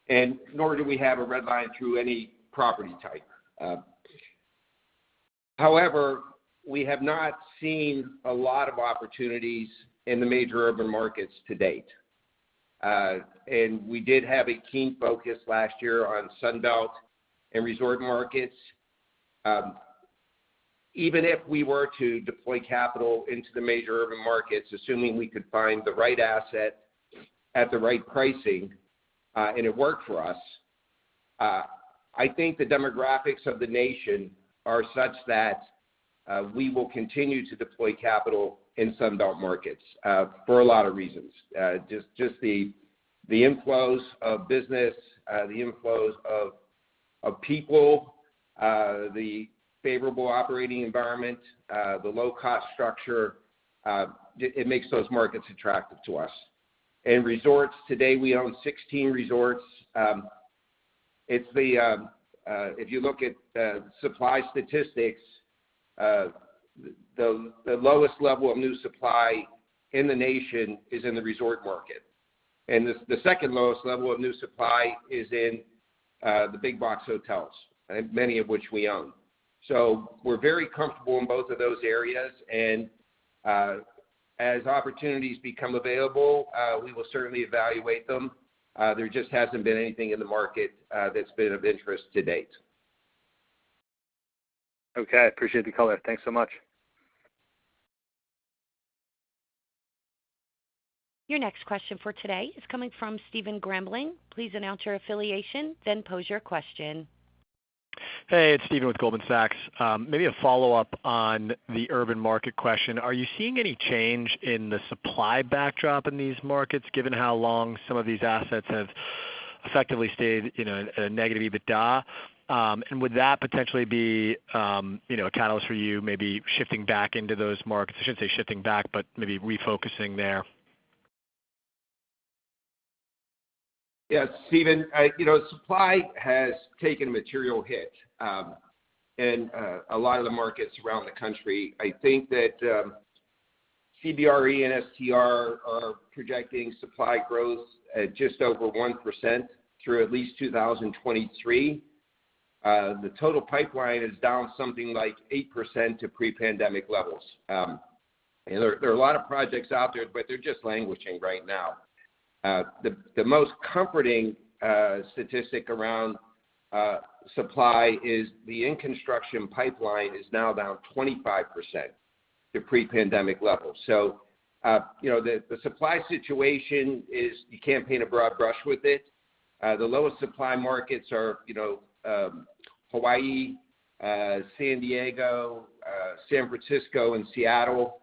and nor do we have a red line through any property type. However, we have not seen a lot of opportunities in the major urban markets to date. We did have a keen focus last year on Sunbelt and resort markets. Even if we were to deploy capital into the major urban markets, assuming we could find the right asset at the right pricing, and it worked for us, I think the demographics of the nation are such that we will continue to deploy capital in Sunbelt markets for a lot of reasons. Just the inflows of business, the inflows of people, the favorable operating environment, the low cost structure, it makes those markets attractive to us. In resorts today, we own 16 resorts. It's the, if you look at supply statistics, the lowest level of new supply in the nation is in the resort market. The second lowest level of new supply is in the big box hotels, and many of which we own. We're very comfortable in both of those areas, and as opportunities become available, we will certainly evaluate them. There just hasn't been anything in the market that's been of interest to date. Okay I appreciate the color. Thanks so much. Your next question for today is coming from Steven Grambling. Please announce your affiliation, then pose your question. Hey it's Steven with Goldman Sachs. Maybe a follow-up on the urban market question. Are you seeing any change in the supply backdrop in these markets, given how long some of these assets have effectively stayed, you know, at a negative EBITDA? And would that potentially be, you know, a catalyst for you, maybe shifting back into those markets? I shouldn't say shifting back, but maybe refocusing there. Yes Steven. You know, supply has taken a material hit in a lot of the markets around the country. I think that CBRE and STR are projecting supply growth at just over 1% through at least 2023. The total pipeline is down something like 8% to pre-pandemic levels. There are a lot of projects out there, but they're just languishing right now. The most comforting statistic around supply is the in-construction pipeline is now down 25% to pre-pandemic levels. The supply situation is, you can't paint a broad brush with it. The lowest supply markets are Hawaii, San Diego, San Francisco and Seattle.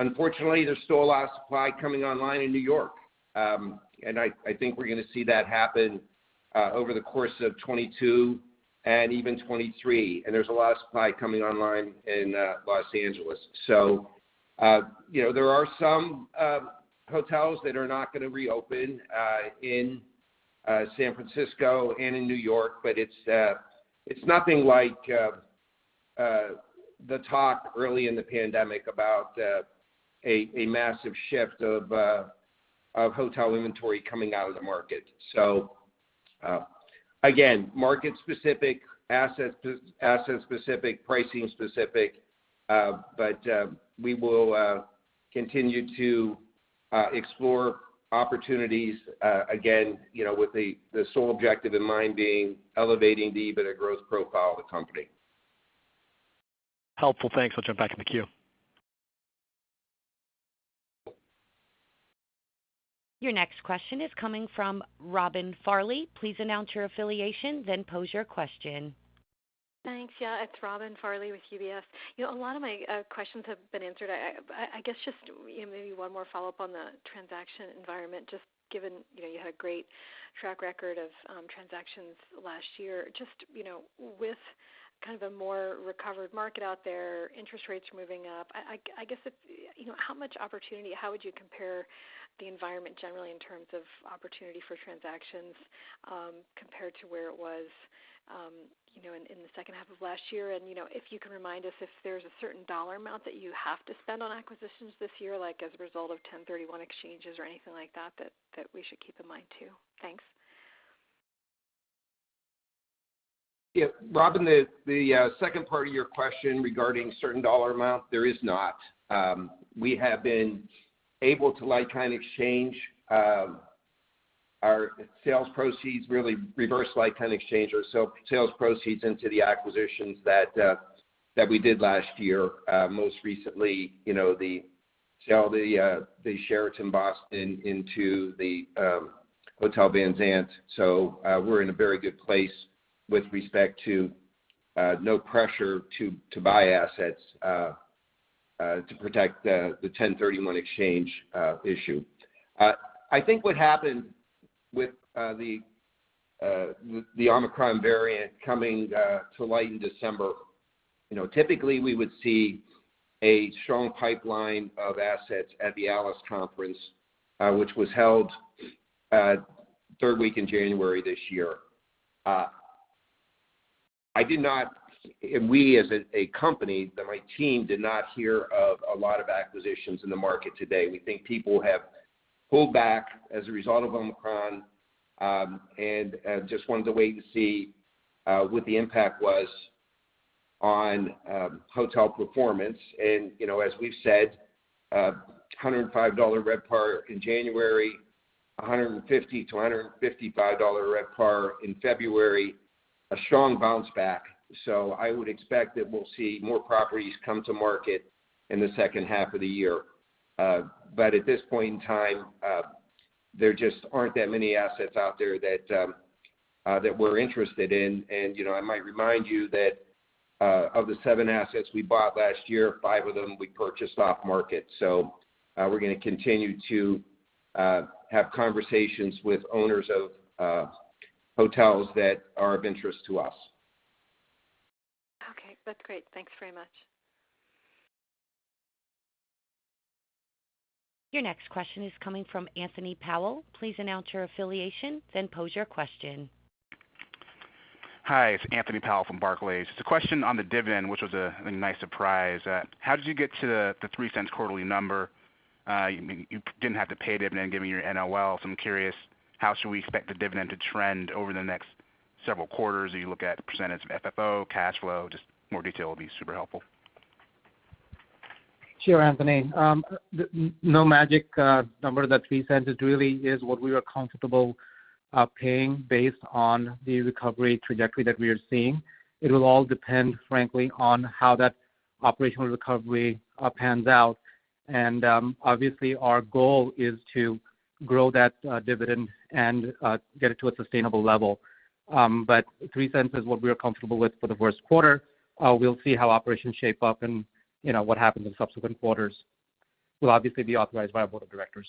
Unfortunately, there's still a lot of supply coming online in New York. I think we're gonna see that happen over the course of 2022 and even 2023. There's a lot of supply coming online in Los Angeles. You know, there are some hotels that are not gonna reopen in San Francisco and in New York, but it's nothing like the talk early in the pandemic about a massive shift of hotel inventory coming out of the market. Again, market specific, asset specific, pricing specific, but we will continue to explore opportunities, again, you know, with the sole objective in mind being elevating the EBITDA growth profile of the company. Helpful thanks. I'll jump back in the queue. Your next question is coming from Robin Farley. Please announce your affiliation, then pose your question. Thanks yeah. It's Robin Farley with UBS. You know, a lot of my questions have been answered. I guess just, you know, maybe one more follow-up on the transaction environment, just given, you know, you had a great track record of transactions last year. Just, you know, with kind of a more recovered market out there, interest rates are moving up, I guess, you know, how much opportunity, how would you compare the environment generally in terms of opportunity for transactions, compared to where it was, you know, in the second half of last year? And, you know, if you can remind us if there's a certain dollar amount that you have to spend on acquisitions this year, like as a result of 1031 exchanges or anything like that we should keep in mind too. Thanks. Yeah Robin, the second part of your question regarding certain dollar amount, there is not. We have been able to like-kind exchange our sales proceeds, really reverse like-kind exchange our sales proceeds into the acquisitions that we did last year, most recently, you know, sell the Sheraton Boston into the Hotel Van Zandt. We're in a very good place with respect to no pressure to buy assets to protect the 1031 exchange issue. I think what happened with the Omicron variant coming to light in December, you know, typically we would see a strong pipeline of assets at the ALIS conference, which was held third week in January this year. We as a company, my team did not hear of a lot of acquisitions in the market today. We think people have pulled back as a result of Omicron and just wanted to wait to see what the impact was on hotel performance. You know, as we've said, $105 RevPAR in January, $150-$155 RevPAR in February, a strong bounce back. I would expect that we'll see more properties come to market in the second half of the year. At this point in time, there just aren't that many assets out there that we're interested in. You know, I might remind you that of the seven assets we bought last year, five of them we purchased off market. We're gonna continue to have conversations with owners of hotels that are of interest to us. Okay that's great. Thanks very much. Your next question is coming from Anthony Powell. Please announce your affiliation, then pose your question. Hi it's Anthony Powell from Barclays. It's a question on the dividend, which was a nice surprise. How did you get to the $0.03 quarterly number? You didn't have to pay dividend given your NOL, so I'm curious how should we expect the dividend to trend over the next several quarters? Do you look at percentage of FFO, cash flow? Just more detail would be super helpful. Sure Anthony. No magic number. The $0.03 is really what we were comfortable paying based on the recovery trajectory that we are seeing. It will all depend, frankly, on how that operational recovery pans out. Obviously, our goal is to grow that dividend and get it to a sustainable level. But $0.03 is what we are comfortable with for the first quarter. We'll see how operations shape up and, you know, what happens in subsequent quarters will obviously be authorized by our board of directors.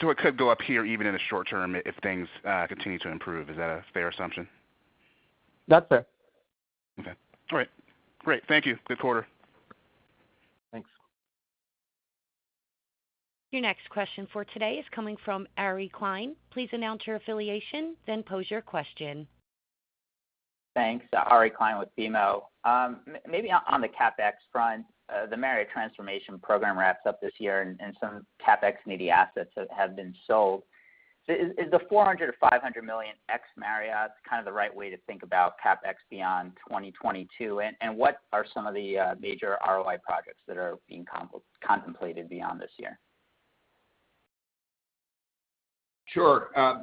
It could go up here even in the short term if things continue to improve. Is that a fair assumption? That's fair. Okay all right. Great. Thank you. Good quarter. Thanks. Your next question for today is coming from Ari Klein. Please announce your affiliation, then pose your question. Thanks Ari Klein with BMO. Maybe on the CapEx Prime. The Marriott Transformation Program wrap up this year, and some CapEx, maybe assets that have been sold. Is the $400 million-$500 million ex Marriott kinda right way to think about CapEx beyond 2022, and what are the some of the major ROI projects that being contemplated beyond this year? Let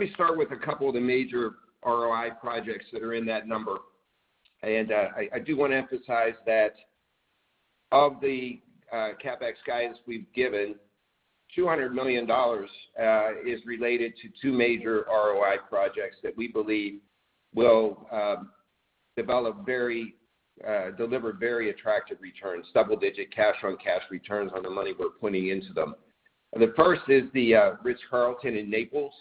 me start with a couple of the major ROI projects that are in that number. I do wanna emphasize that of the CapEx guidance we've given, $200 million is related to two major ROI projects that we believe will deliver very attractive returns, double-digit cash-on-cash returns on the money we're putting into them. The first is the Ritz-Carlton in Naples.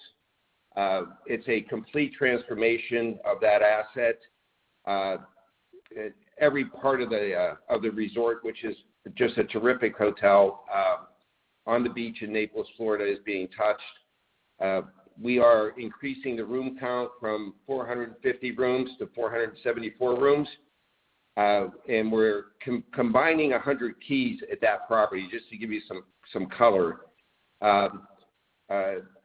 It's a complete transformation of that asset. Every part of the resort, which is just a terrific hotel on the beach in Naples, Florida, is being touched. We are increasing the room count from 450 rooms to 474 rooms, and we're combining 100 keys at that property, just to give you some color.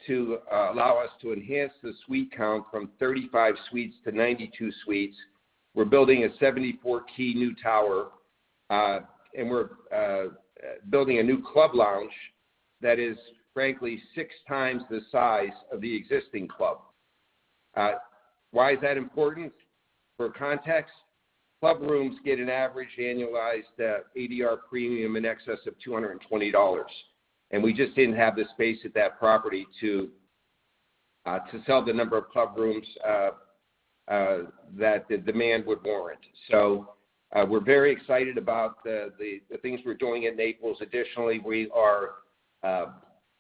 To allow us to enhance the suite count from 35 suites to 92 suites. We're building a 74-key new tower, and we're building a new club lounge that is frankly 6 times the size of the existing club. Why is that important? For context, club rooms get an average annualized ADR premium in excess of $220, and we just didn't have the space at that property to sell the number of club rooms that the demand would warrant. We're very excited about the things we're doing in Naples. Additionally, we are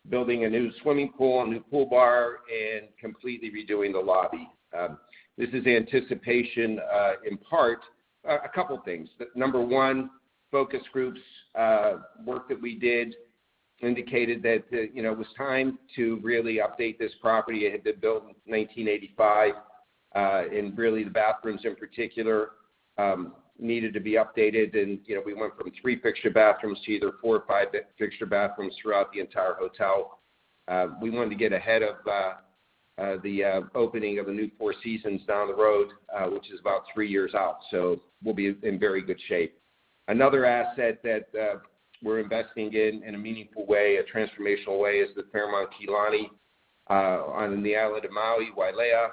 building a new swimming pool, a new pool bar, and completely redoing the lobby. This is in anticipation in part. A couple things. Number one, focus groups, work that we did indicated that, you know, it was time to really update this property. It had been built in 1985, and really the bathrooms in particular needed to be updated. You know, we went from three fixture bathrooms to either four or five fixture bathrooms throughout the entire hotel. We wanted to get ahead of the opening of the new Four Seasons down the road, which is about three years out. We'll be in very good shape. Another asset that we're investing in a meaningful way, a transformational way, is the Fairmont Kea Lani, on the island of Maui, Wailea.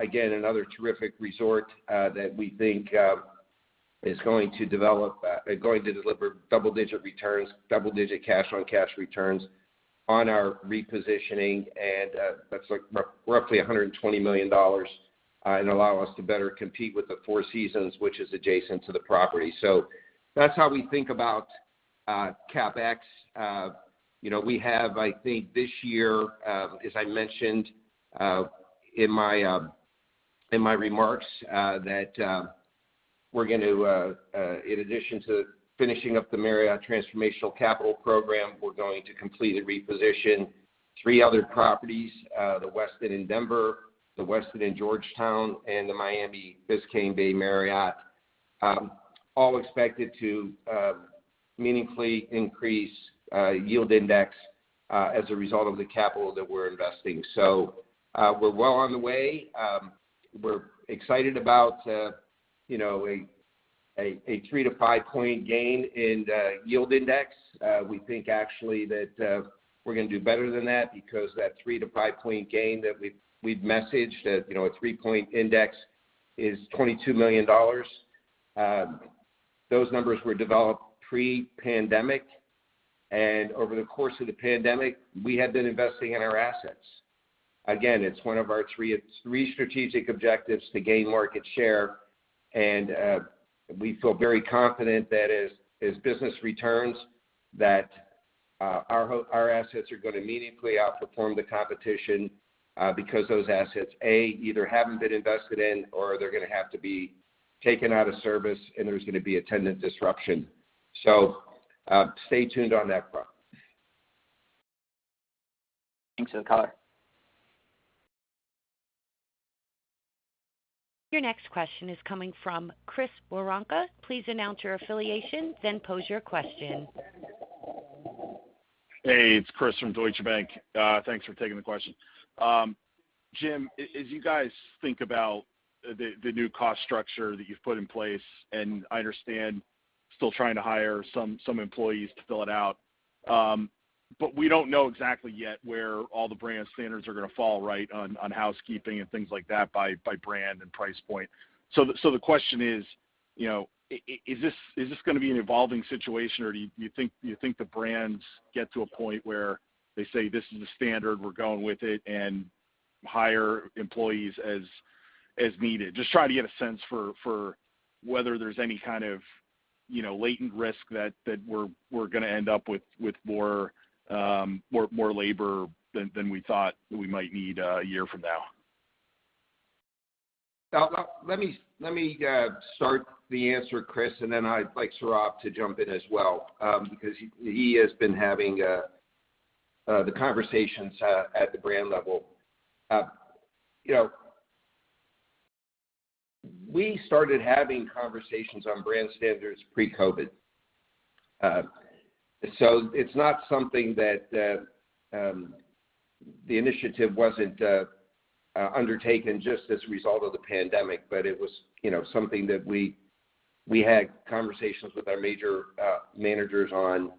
Again, another terrific resort that we think is going to deliver double-digit returns, double-digit cash-on-cash returns on our repositioning. That's like roughly $120 million and allow us to better compete with the Four Seasons, which is adjacent to the property. That's how we think about CapEx. You know, we have, I think this year, as I mentioned, in my remarks, that we're going to, in addition to finishing up the Marriott Transformational Capital Program, we're going to completely reposition three other properties, the Westin in Denver, the Westin in Georgetown, and the Miami Marriott Biscayne Bay, all expected to meaningfully increase yield index as a result of the capital that we're investing. We're well on the way. We're excited about a three to five point gain in the yield index. We think actually that we're gonna do better than that because that three to five point gain that we've messaged that, you know, a three-point index is $22 million. Those numbers were developed pre-pandemic, and over the course of the pandemic, we have been investing in our assets. Again, it's one of our three strategic objectives to gain market share. We feel very confident that as business returns that our assets are gonna meaningfully outperform the competition because those assets, A, either haven't been invested in or they're gonna have to be taken out of service and there's gonna be attendant disruption. Stay tuned on that front. Thanks for the color. Your next question is coming from Chris Woronka. Please announce your affiliation, then pose your question. Hey, it's Chris from Deutsche Bank. Thanks for taking the question. Jim, as you guys think about the new cost structure that you've put in place, and I understand you're still trying to hire some employees to fill it out. But we don't know exactly yet where all the brand standards are gonna fall, right, on housekeeping and things like that by brand and price point. The question is, you know, is this gonna be an evolving situation, or do you think the brands get to a point where they say, "This is the standard, we're going with it," and hire employees as needed? Just trying to get a sense for whether there's any kind of, you know, latent risk that we're gonna end up with more labor than we thought we might need a year from now. Now, let me start the answer, Chris, and then I'd like Sourav to jump in as well, because he has been having the conversations at the brand level. You know, we started having conversations on brand standards pre-COVID. It's not something that the initiative wasn't undertaken just as a result of the pandemic, but it was, you know, something that we had conversations with our major managers on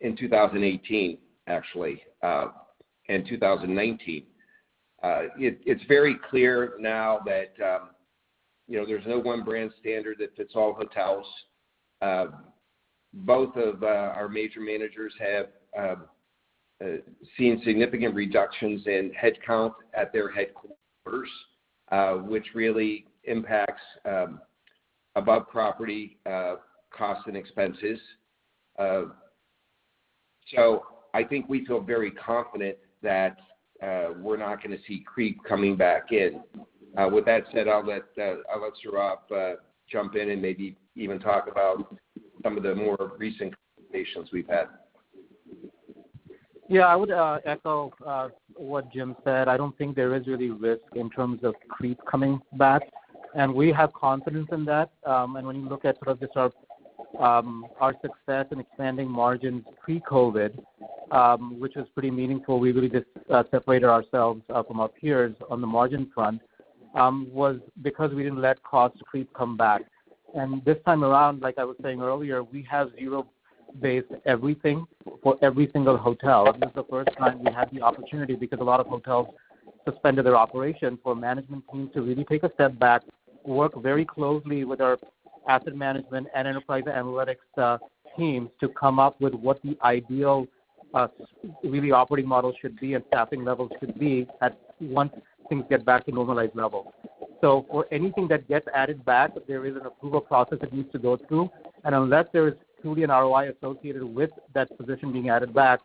in 2018, actually, and 2019. It's very clear now that, you know, there's no one brand standard that fits all hotels. Both of our major managers have seen significant reductions in headcount at their headquarters, which really impacts above property costs and expenses. I think we feel very confident that we're not gonna see creep coming back in. With that said, I'll let Sourav jump in and maybe even talk about some of the more recent conversations we've had. Yeah. I would echo what Jim said. I don't think there is really risk in terms of creep coming back, and we have confidence in that. When you look at sort of the sort Our success in expanding margins pre-COVID, which was pretty meaningful, we really just separated ourselves from our peers on the margin front, was because we didn't let cost creep come back. This time around, like I was saying earlier, we have zero-based everything for every single hotel. This is the first time we had the opportunity because a lot of hotels suspended their operation for management teams to really take a step back, work very closely with our asset management and enterprise analytics teams to come up with what the ideal really operating model should be and staffing levels should be at once things get back to normalized levels. For anything that gets added back, there is an approval process it needs to go through. Unless there is truly an ROI associated with that position being added back,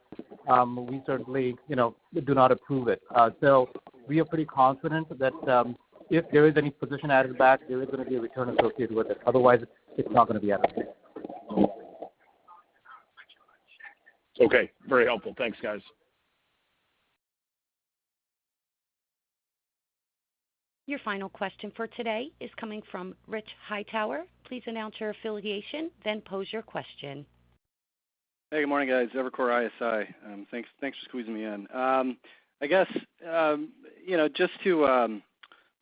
we certainly, you know, do not approve it. We are pretty confident that if there is any position added back, there is gonna be a return associated with it. Otherwise, it's not gonna be added. Okay very helpful. Thanks, guys. Your final question for today is coming from Rich Hightower. Please announce your affiliation, then pose your question. Hey morning guys. Evercore ISI. Thanks for squeezing me in. I guess, you know, just to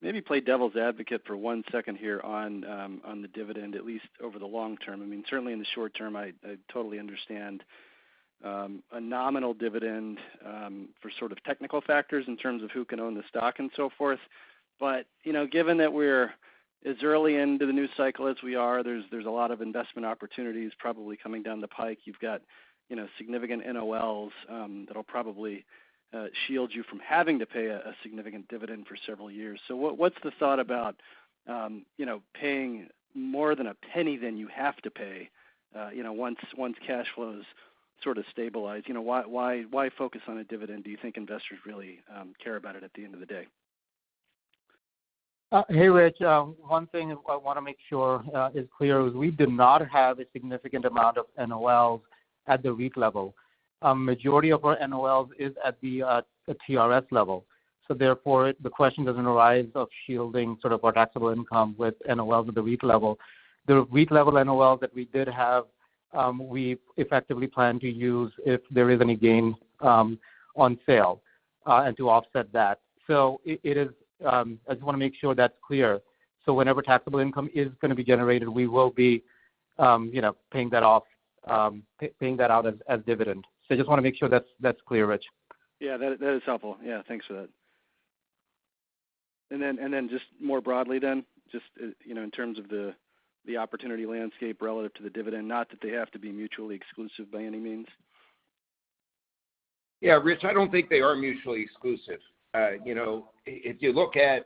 maybe play devil's advocate for one second here on the dividend, at least over the long term. I mean, certainly in the short term, I totally understand a nominal dividend for sort of technical factors in terms of who can own the stock and so forth. You know, given that we're as early into the new cycle as we are, there's a lot of investment opportunities probably coming down the pike. You've got, you know, significant NOLs that'll probably shield you from having to pay a significant dividend for several years. What's the thought about, you know, paying more than a penny than you have to pay, you know, once cash flows sort of stabilize? You know, why focus on a dividend? Do you think investors really care about it at the end of the day? Hey Rich. One thing I want to make sure is clear is we do not have a significant amount of NOLs at the REIT level. Majority of our NOLs is at the TRS level. Therefore, the question doesn't arise of shielding sort of our taxable income with NOLs at the REIT level. The REIT level NOLs that we did have, we effectively plan to use if there is any gain on sale and to offset that. It is. I just want to make sure that's clear. Whenever taxable income is gonna be generated, we will be, you know, paying that out as dividend. I just want to make sure that's clear, Rich. Yeah that is helpful. Yeah, thanks for that. Just more broadly then, just, you know, in terms of the opportunity landscape relative to the dividend, not that they have to be mutually exclusive by any means. Yeah, Rich, I don't think they are mutually exclusive. You know, if you look at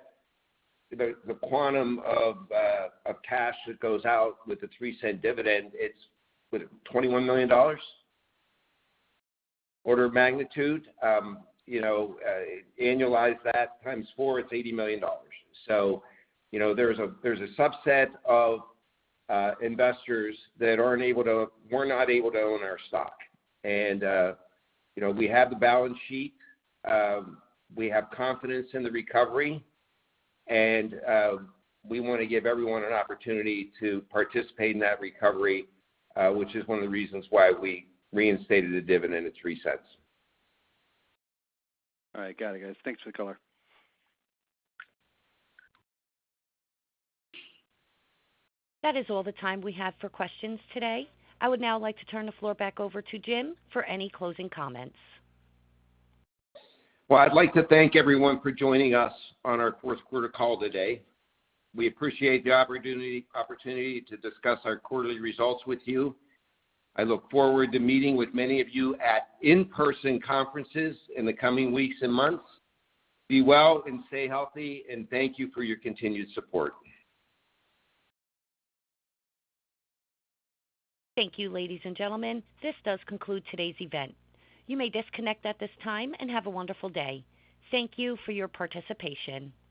the quantum of cash that goes out with the $0.03 dividend, it's what, $21 million order of magnitude. You know, annualize that times four, it's $80 million. You know, there's a subset of investors that were not able to own our stock. You know, we have the balance sheet, we have confidence in the recovery, and we wanna give everyone an opportunity to participate in that recovery, which is one of the reasons why we reinstated the dividend at $0.03. All right got it guys. Thanks for the color. That is all the time we have for questions today. I would now like to turn the floor back over to Jim for any closing comments. Well, I'd like to thank everyone for joining us on our fourth quarter call today. We appreciate the opportunity to discuss our quarterly results with you. I look forward to meeting with many of you at in-person conferences in the coming weeks and months. Be well and stay healthy, and thank you for your continued support. Thank you, ladies and gentlemen. This does conclude today's event. You may disconnect at this time, and have a wonderful day. Thank you for your participation.